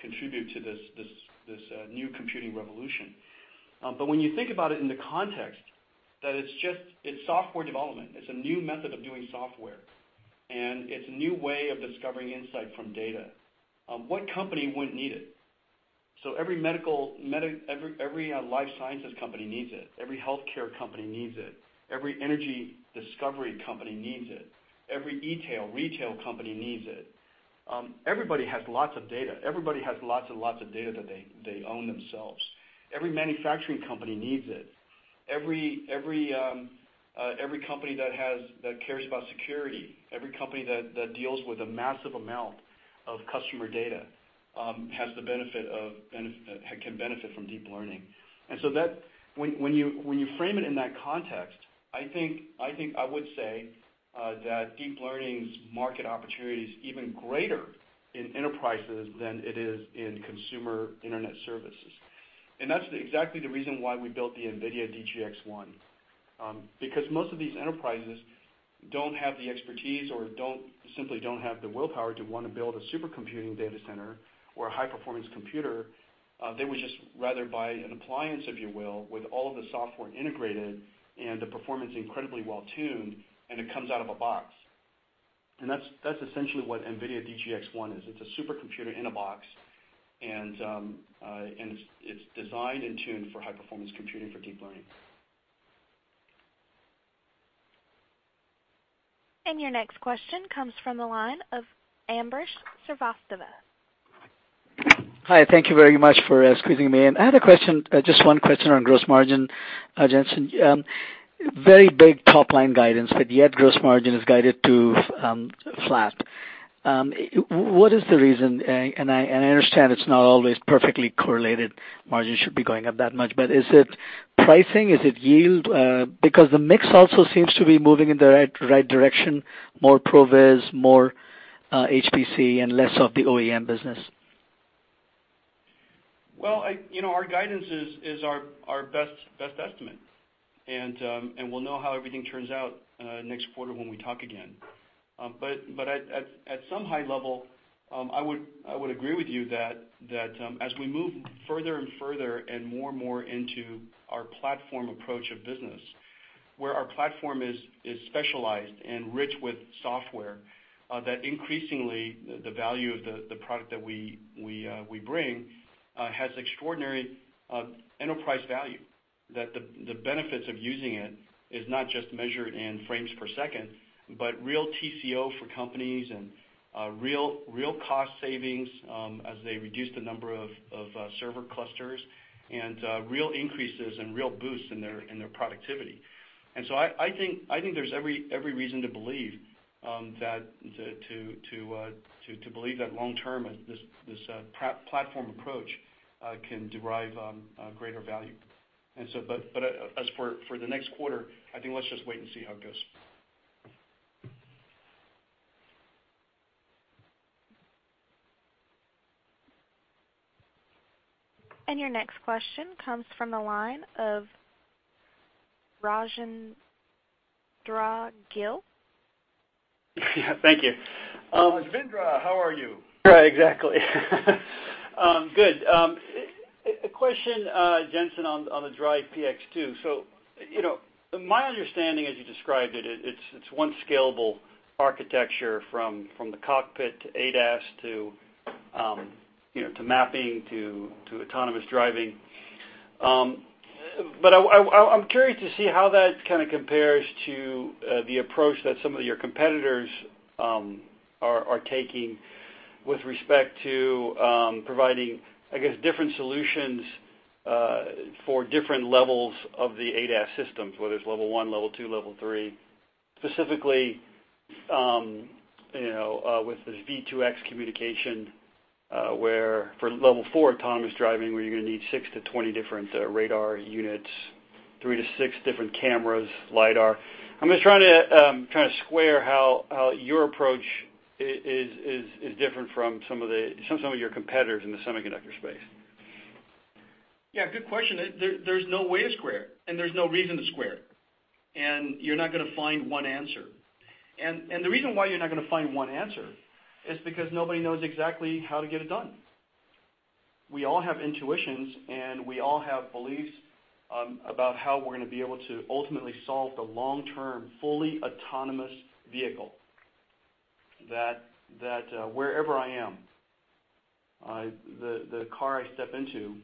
contribute to this new computing revolution. When you think about it in the context that it's software development, it's a new method of doing software, it's a new way of discovering insight from data, what company wouldn't need it? Every life sciences company needs it. Every healthcare company needs it, every energy discovery company needs it. Every e-tail, retail company needs it. Everybody has lots of data. Everybody has lots and lots of data that they own themselves. Every manufacturing company needs it. Every company that cares about security, every company that deals with a massive amount of customer data can benefit from deep learning. When you frame it in that context, I think I would say, that deep learning's market opportunity is even greater in enterprises than it is in consumer internet services. That's exactly the reason why we built the NVIDIA DGX-1, because most of these enterprises don't have the expertise or simply don't have the willpower to want to build a supercomputing data center or a high-performance computer. They would just rather buy an appliance, if you will, with all of the software integrated and the performance incredibly well-tuned, and it comes out of a box. That's essentially what NVIDIA DGX-1 is. It's a supercomputer in a box, it's designed and tuned for high-performance computing for deep learning. Your next question comes from the line of Ambrish Srivastava. Hi. Thank you very much for squeezing me in. I had a question, just one question on gross margin, Jensen. Very big top-line guidance, but yet gross margin is guided to flat. What is the reason? I understand it's not always perfectly correlated. Margins should be going up that much, but is it pricing? Is it yield? The mix also seems to be moving in the right direction, more ProVis, more HPC, and less of the OEM business. Well, our guidance is our best estimate, and we'll know how everything turns out next quarter when we talk again. At some high level, I would agree with you that as we move further and further and more and more into our platform approach of business, where our platform is specialized and rich with software, that increasingly, the value of the product that we bring has extraordinary enterprise value, that the benefits of using it is not just measured in frames per second, but real TCO for companies and real cost savings as they reduce the number of server clusters, and real increases and real boosts in their productivity. So I think there's every reason to believe that long-term, this platform approach can derive greater value. As for the next quarter, I think let's just wait and see how it goes. Your next question comes from the line of Rajvindra Gill. Thank you. Rajvindra, how are you? Right, exactly. Good. A question, Jensen, on the DRIVE PX 2. My understanding as you described it's one scalable architecture from the cockpit to ADAS to mapping to autonomous driving. I'm curious to see how that kind of compares to the approach that some of your competitors are taking with respect to providing, I guess, different solutions for different levels of the ADAS systems, whether it's level 1, level 2, level 3, specifically with this V2X communication for level 4 autonomous driving where you're gonna need six to 20 different radar units, three to six different cameras, lidar. I'm just trying to square how your approach is different from some of your competitors in the semiconductor space. Yeah, good question. There's no way to square it, and there's no reason to square it. You're not gonna find one answer. The reason why you're not gonna find one answer is because nobody knows exactly how to get it done. We all have intuitions, and we all have beliefs about how we're gonna be able to ultimately solve the long-term, fully autonomous vehicle that wherever I am, the car I step into,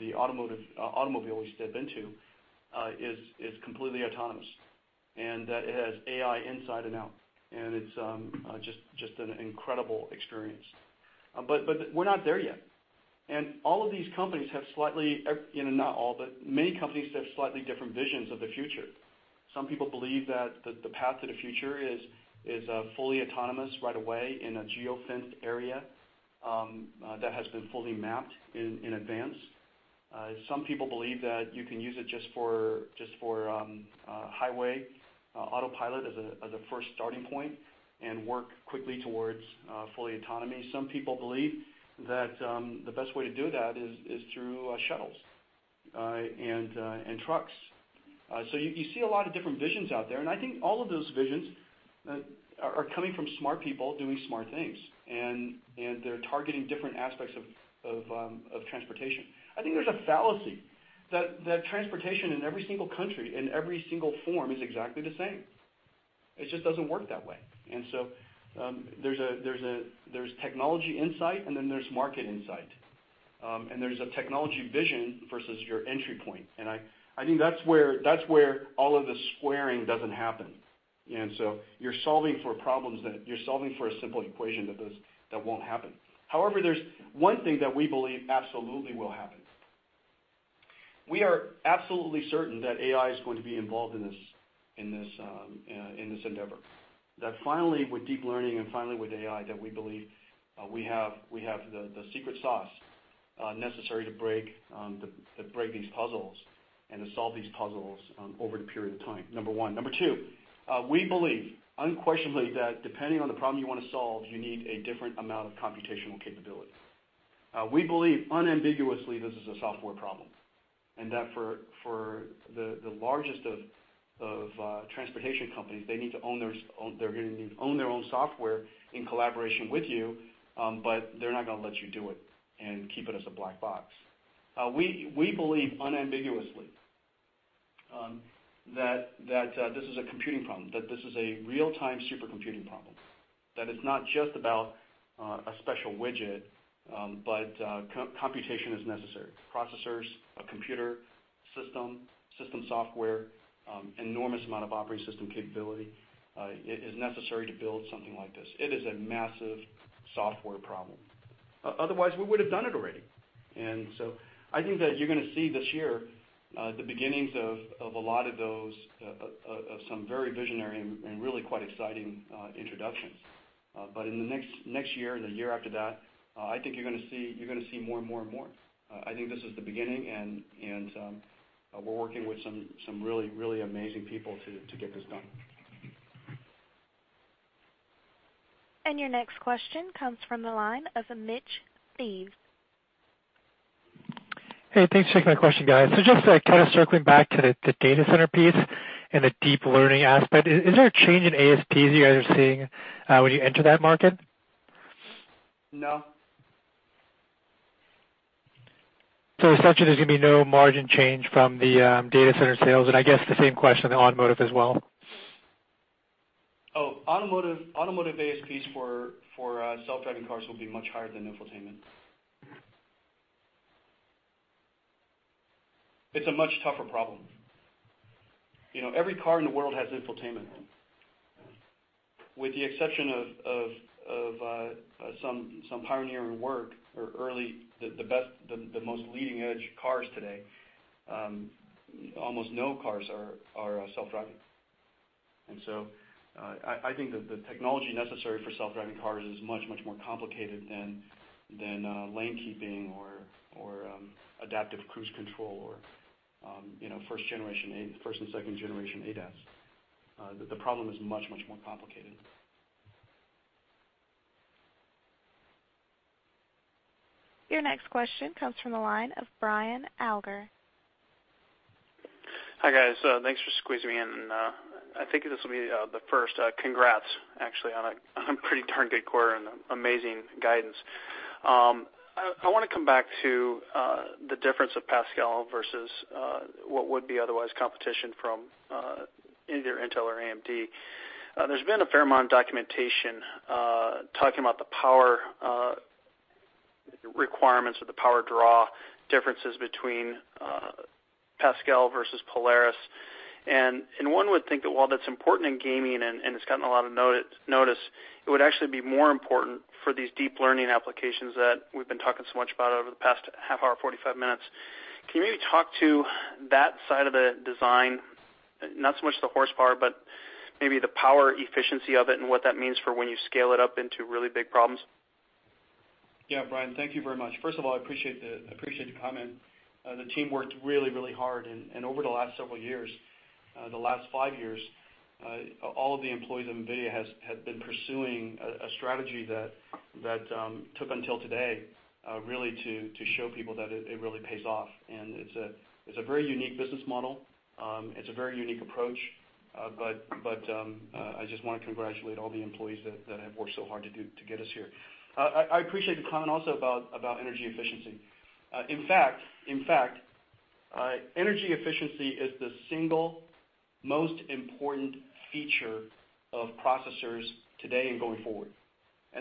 the automobile we step into is completely autonomous and that it has AI inside and out and it's just an incredible experience. We're not there yet. All of these companies have slightly, not all, but many companies have slightly different visions of the future. Some people believe that the path to the future is fully autonomous right away in a geo-fenced area that has been fully mapped in advance. Some people believe that you can use it just for highway autopilot as a first starting point and work quickly towards fully autonomy. Some people believe that the best way to do that is through shuttles and trucks. You see a lot of different visions out there, and I think all of those visions are coming from smart people doing smart things. They're targeting different aspects of transportation. I think there's a fallacy that transportation in every single country, in every single form is exactly the same. It just doesn't work that way. There's technology insight and then there's market insight. There's a technology vision versus your entry point. I think that's where all of the squaring doesn't happen. You're solving for a simple equation that won't happen. However, there's one thing that we believe absolutely will happen. We are absolutely certain that AI is going to be involved in this endeavor. That finally with deep learning and finally with AI, that we believe we have the secret sauce necessary to break these puzzles and to solve these puzzles over the period of time, number one. Number two, we believe unquestionably that depending on the problem you want to solve, you need a different amount of computational capability. We believe unambiguously this is a software problem and that for the largest of transportation companies, they're gonna need to own their own software in collaboration with you, but they're not gonna let you do it and keep it as a black box. We believe unambiguously that this is a computing problem, that this is a real-time supercomputing problem, that it's not just about a special widget, but computation is necessary. Processors, a computer system software, enormous amount of operating system capability is necessary to build something like this. It is a massive software problem. Otherwise, we would've done it already. I think that you're going to see this year the beginnings of some very visionary and really quite exciting introductions. In the next year and the year after that, I think you're going to see more and more and more. I think this is the beginning, we're working with some really amazing people to get this done. Your next question comes from the line of Mitch Steves. Hey, thanks for taking my question, guys. Just kind of circling back to the data center piece and the deep learning aspect, is there a change in ASPs you guys are seeing when you enter that market? No. Essentially there's going to be no margin change from the data center sales, I guess the same question on the automotive as well. Automotive ASPs for self-driving cars will be much higher than infotainment. It's a much tougher problem. Every car in the world has infotainment. With the exception of some pioneering work or early, the best, the most leading-edge cars today, almost no cars are self-driving. I think that the technology necessary for self-driving cars is much, much more complicated than lane keeping or adaptive cruise control or first and second generation ADAS. The problem is much, much more complicated. Your next question comes from the line of Brian Alger. Hi, guys. Thanks for squeezing me in. I think this will be the first congrats, actually, on a pretty darn good quarter and amazing guidance. I want to come back to the difference of Pascal versus what would be otherwise competition from either Intel or AMD. There's been a fair amount of documentation talking about the power requirements or the power draw differences between Pascal versus Polaris. One would think that while that's important in gaming and it's gotten a lot of notice, it would actually be more important for these deep learning applications that we've been talking so much about over the past half hour, 45 minutes. Can you maybe talk to that side of the design, not so much the horsepower, but maybe the power efficiency of it and what that means for when you scale it up into really big problems? Yeah, Brian, thank you very much. First of all, I appreciate the comment. The team worked really, really hard, over the last several years, the last five years, all of the employees of NVIDIA had been pursuing a strategy that took until today really to show people that it really pays off. It's a very unique business model. It's a very unique approach, but I just want to congratulate all the employees that have worked so hard to get us here. I appreciate the comment also about energy efficiency. In fact, energy efficiency is the single most important feature of processors today and going forward.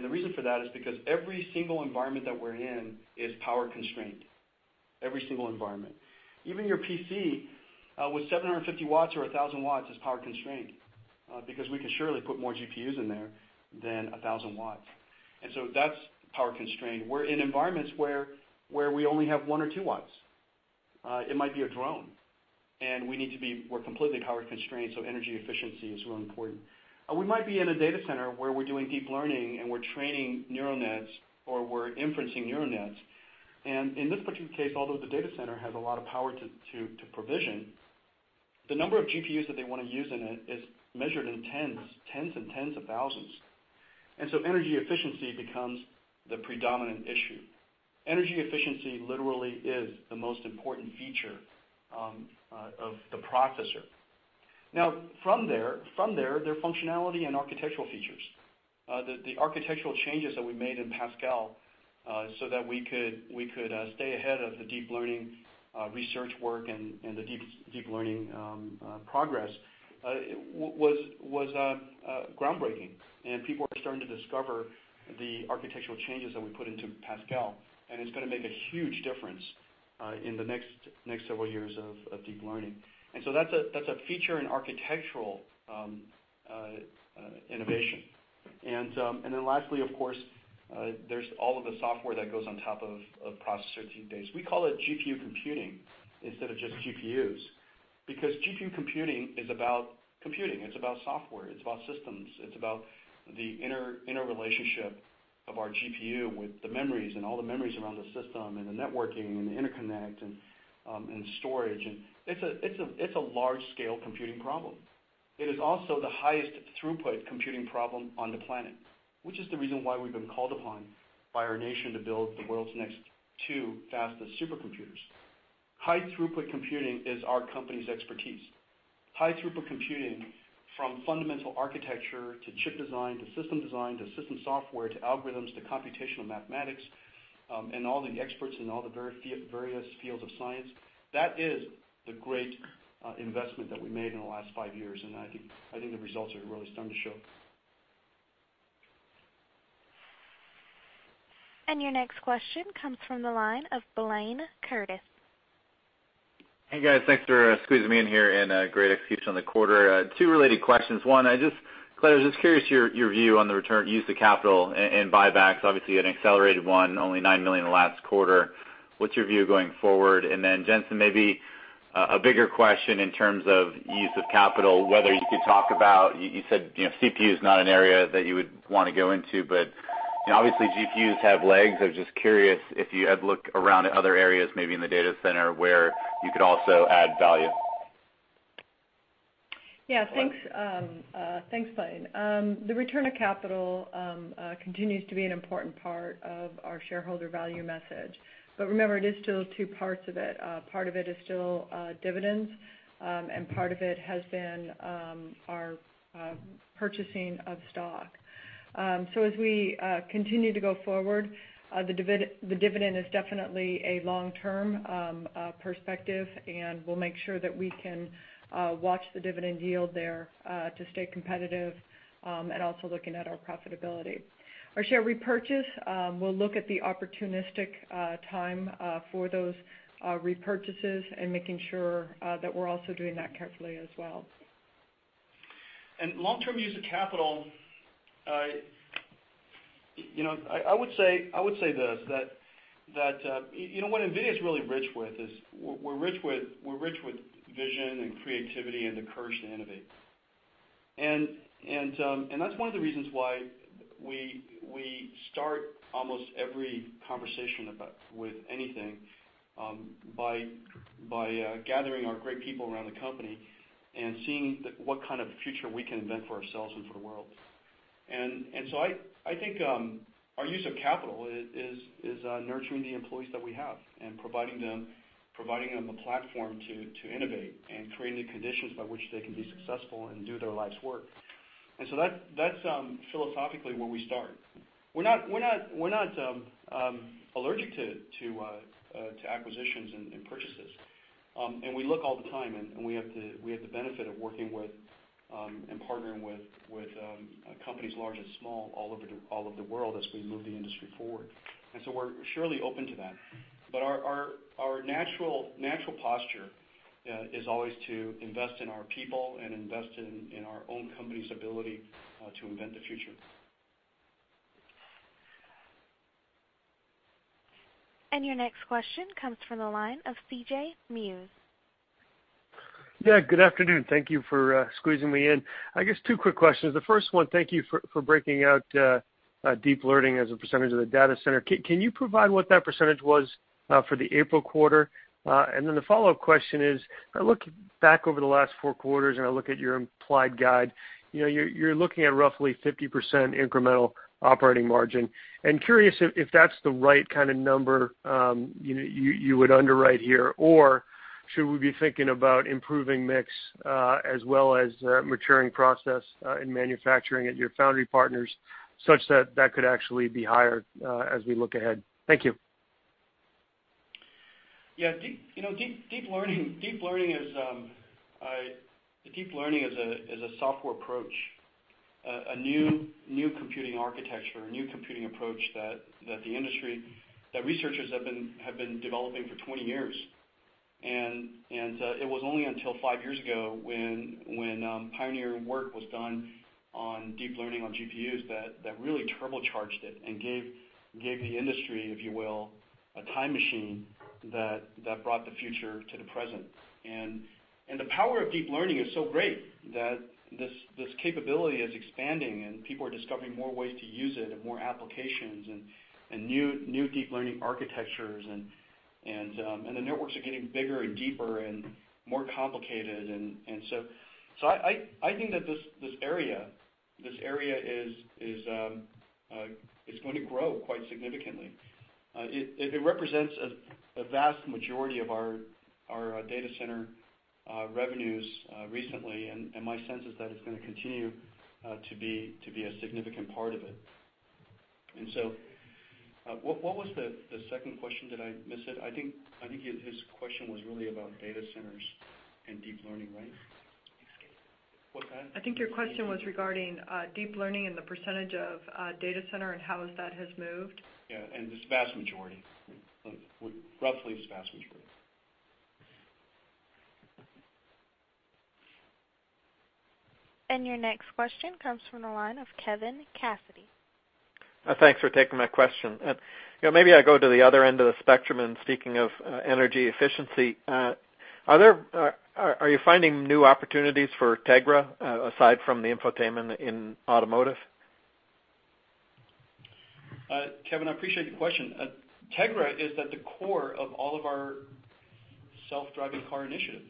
The reason for that is because every single environment that we're in is power constrained. Every single environment. Even your PC with 750 watts or 1,000 watts is power constrained because we can surely put more GPUs in there than 1,000 watts, so that's power constrained. We're in environments where we only have one or two watts. It might be a drone, we're completely power constrained, energy efficiency is real important. We might be in a data center where we're doing deep learning, we're training neural nets, or we're inferencing neural nets. In this particular case, although the data center has a lot of power to provision, the number of GPUs that they want to use in it is measured in tens and tens of thousands. Energy efficiency becomes the predominant issue. Energy efficiency literally is the most important feature of the processor. Now, from there, their functionality and architectural features. The architectural changes that we made in Pascal so that we could stay ahead of the deep learning research work and the deep learning progress was groundbreaking, people are starting to discover the architectural changes that we put into Pascal, it's going to make a huge difference in the next several years of deep learning. That's a feature and architectural innovation. Lastly, of course, there's all of the software that goes on top of processor database. We call it GPU computing instead of just GPUs because GPU computing is about computing. It's about software. It's about systems. It's about the interrelationship of our GPU with the memories all the memories around the system the networking the interconnect storage. It's a large-scale computing problem. It is also the highest throughput computing problem on the planet, which is the reason why we've been called upon by our nation to build the world's next two fastest supercomputers. High throughput computing is our company's expertise. High throughput computing from fundamental architecture to chip design to system design to system software to algorithms to computational mathematics, and all the experts in all the various fields of science, that is the great investment that we made in the last five years, and I think the results are really starting to show. Your next question comes from the line of Blayne Curtis. Hey, guys. Thanks for squeezing me in here, and great execution on the quarter. Two related questions. One, Colette, I was just curious your view on the return use of capital and buybacks. Obviously, an accelerated one, only $9 million in the last quarter. What's your view going forward? Jensen, maybe a bigger question in terms of use of capital, whether you could talk about, you said, CPU is not an area that you would want to go into, but obviously GPUs have legs. I was just curious if you had looked around at other areas, maybe in the data center, where you could also add value. Yeah. Thanks, Blayne. The return of capital continues to be an important part of our shareholder value message. Remember, it is still two parts of it. Part of it is still dividends, and part of it has been our purchasing of stock. As we continue to go forward, the dividend is definitely a long-term perspective, and we'll make sure that we can watch the dividend yield there, to stay competitive, and also looking at our profitability. Our share repurchase, we'll look at the opportunistic time for those repurchases and making sure that we're also doing that carefully as well. Long-term use of capital, I would say this, that what NVIDIA's really rich with is, we're rich with vision and creativity and the courage to innovate. That's one of the reasons why we start almost every conversation with anything, by gathering our great people around the company and seeing what kind of future we can invent for ourselves and for the world. I think our use of capital is nurturing the employees that we have and providing them a platform to innovate and creating the conditions by which they can be successful and do their life's work. That's philosophically where we start. We're not allergic to acquisitions and purchases. We look all the time, and we have the benefit of working with and partnering with companies large and small all over the world as we move the industry forward. We're surely open to that. Our natural posture is always to invest in our people and invest in our own company's ability to invent the future. Your next question comes from the line of C.J. Muse. Yeah, good afternoon. Thank you for squeezing me in. I guess two quick questions. The first one, thank you for breaking out deep learning as a percentage of the data center. Can you provide what that percentage was for the April quarter? The follow-up question is, I look back over the last four quarters, and I look at your implied guide. You're looking at roughly 50% incremental operating margin. Curious if that's the right kind of number you would underwrite here, or should we be thinking about improving mix as well as maturing process in manufacturing at your foundry partners, such that that could actually be higher as we look ahead? Thank you. Yeah. Deep learning is a software approach, a new computing architecture, a new computing approach that researchers have been developing for 20 years. It was only until five years ago when pioneering work was done on deep learning on GPUs that really turbocharged it and gave the industry, if you will, a time machine that brought the future to the present. The power of deep learning is so great that this capability is expanding, and people are discovering more ways to use it and more applications and new deep learning architectures, and the networks are getting bigger and deeper and more complicated. I think that this area is going to grow quite significantly. It represents a vast majority of our data center revenues recently, and my sense is that it's going to continue to be a significant part of it. What was the second question? Did I miss it? I think his question was really about data centers and deep learning, right? Excuse me. What, Pat? I think your question was regarding deep learning and the percentage of data center and how that has moved. Yeah, this vast majority. Roughly this vast majority. Your next question comes from the line of Kevin Cassidy. Thanks for taking my question. Maybe I go to the other end of the spectrum, and speaking of energy efficiency. Are you finding new opportunities for Tegra aside from the infotainment in automotive? Kevin, I appreciate your question. Tegra is at the core of all of our self-driving car initiatives.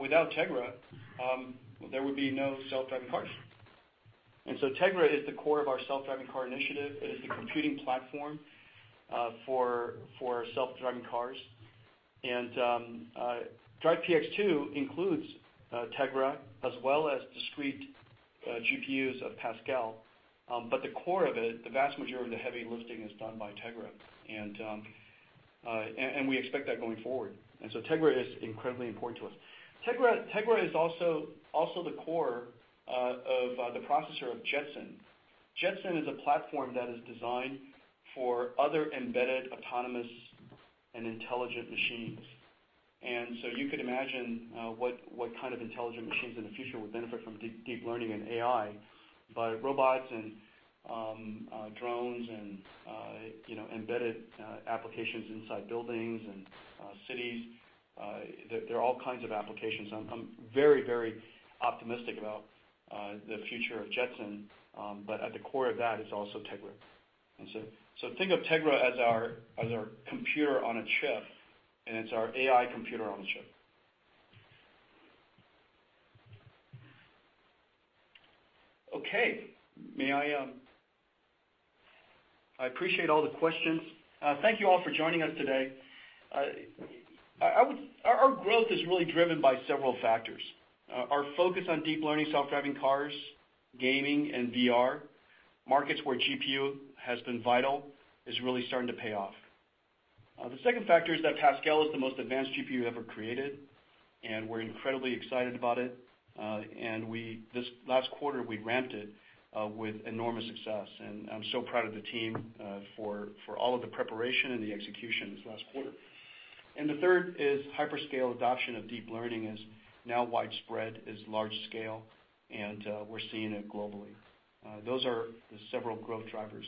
Without Tegra, there would be no self-driving cars. Tegra is the core of our self-driving car initiative. It is the computing platform for self-driving cars. Drive PX2 includes Tegra as well as discrete GPUs of Pascal. But the core of it, the vast majority of the heavy lifting is done by Tegra. We expect that going forward. Tegra is incredibly important to us. Tegra is also the core of the processor of Jetson. Jetson is a platform that is designed for other embedded autonomous and intelligent machines. You could imagine what kind of intelligent machines in the future would benefit from deep learning and AI, but robots and drones and embedded applications inside buildings and cities, there are all kinds of applications. I'm very, very optimistic about the future of Jetson. At the core of that is also Tegra. Think of Tegra as our computer on a chip, and it's our AI computer on a chip. Okay. I appreciate all the questions. Thank you all for joining us today. Our growth is really driven by several factors. Our focus on deep learning, self-driving cars, gaming, and VR, markets where GPU has been vital, is really starting to pay off. The second factor is that Pascal is the most advanced GPU ever created, and we're incredibly excited about it. This last quarter, we ramped it with enormous success, and I'm so proud of the team for all of the preparation and the execution this last quarter. The third is hyperscale adoption of deep learning is now widespread, is large scale, and we're seeing it globally. Those are the several growth drivers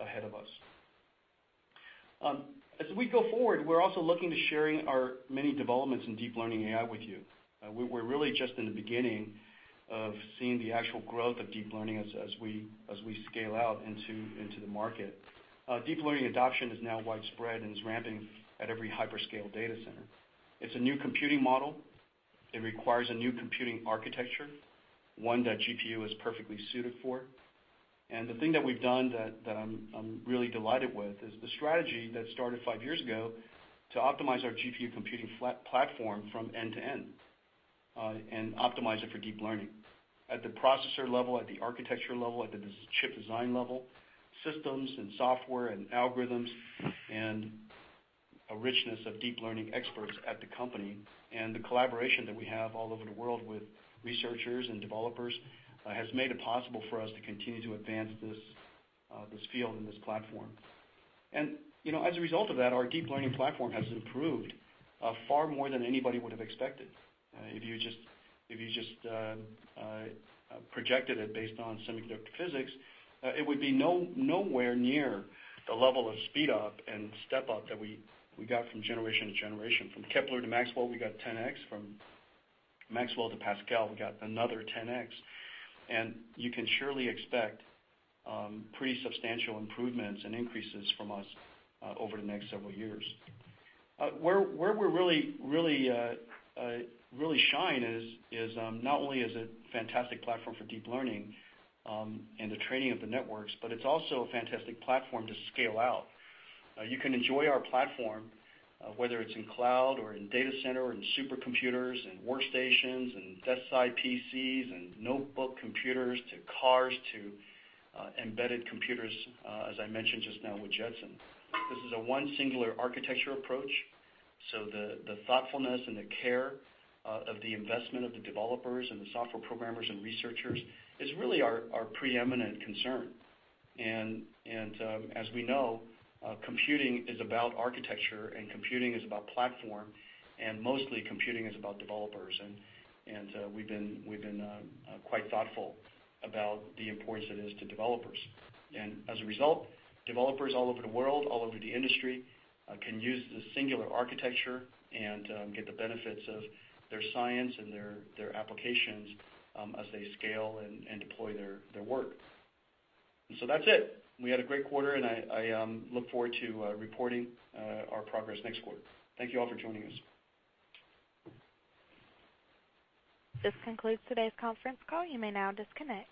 ahead of us. As we go forward, we're also looking to sharing our many developments in deep learning AI with you. We're really just in the beginning of seeing the actual growth of deep learning as we scale out into the market. Deep learning adoption is now widespread and is ramping at every hyperscale data center. It's a new computing model. It requires a new computing architecture, one that GPU is perfectly suited for. The thing that we've done that I'm really delighted with is the strategy that started five years ago to optimize our GPU computing platform from end to end, and optimize it for deep learning. At the processor level, at the architecture level, at the chip design level, systems and software and algorithms, and a richness of deep learning experts at the company, and the collaboration that we have all over the world with researchers and developers, has made it possible for us to continue to advance this field and this platform. As a result of that, our deep learning platform has improved far more than anybody would have expected. If you just projected it based on semiconductor physics, it would be nowhere near the level of speed up and step up that we got from generation to generation. From Kepler to Maxwell, we got 10X. From Maxwell to Pascal, we got another 10X. You can surely expect pretty substantial improvements and increases from us over the next several years. Where we really shine is not only as a fantastic platform for deep learning, and the training of the networks, but it's also a fantastic platform to scale out. You can enjoy our platform, whether it's in cloud or in data center or in supercomputers and workstations and desktop PCs and notebook computers to cars to embedded computers, as I mentioned just now with Jetson. This is a one singular architecture approach, the thoughtfulness and the care of the investment of the developers and the software programmers and researchers is really our preeminent concern. As we know, computing is about architecture, computing is about platform, and mostly computing is about developers. We've been quite thoughtful about the importance it is to developers. As a result, developers all over the world, all over the industry, can use the singular architecture and get the benefits of their science and their applications as they scale and deploy their work. So that's it. We had a great quarter, and I look forward to reporting our progress next quarter. Thank you all for joining us. This concludes today's conference call. You may now disconnect.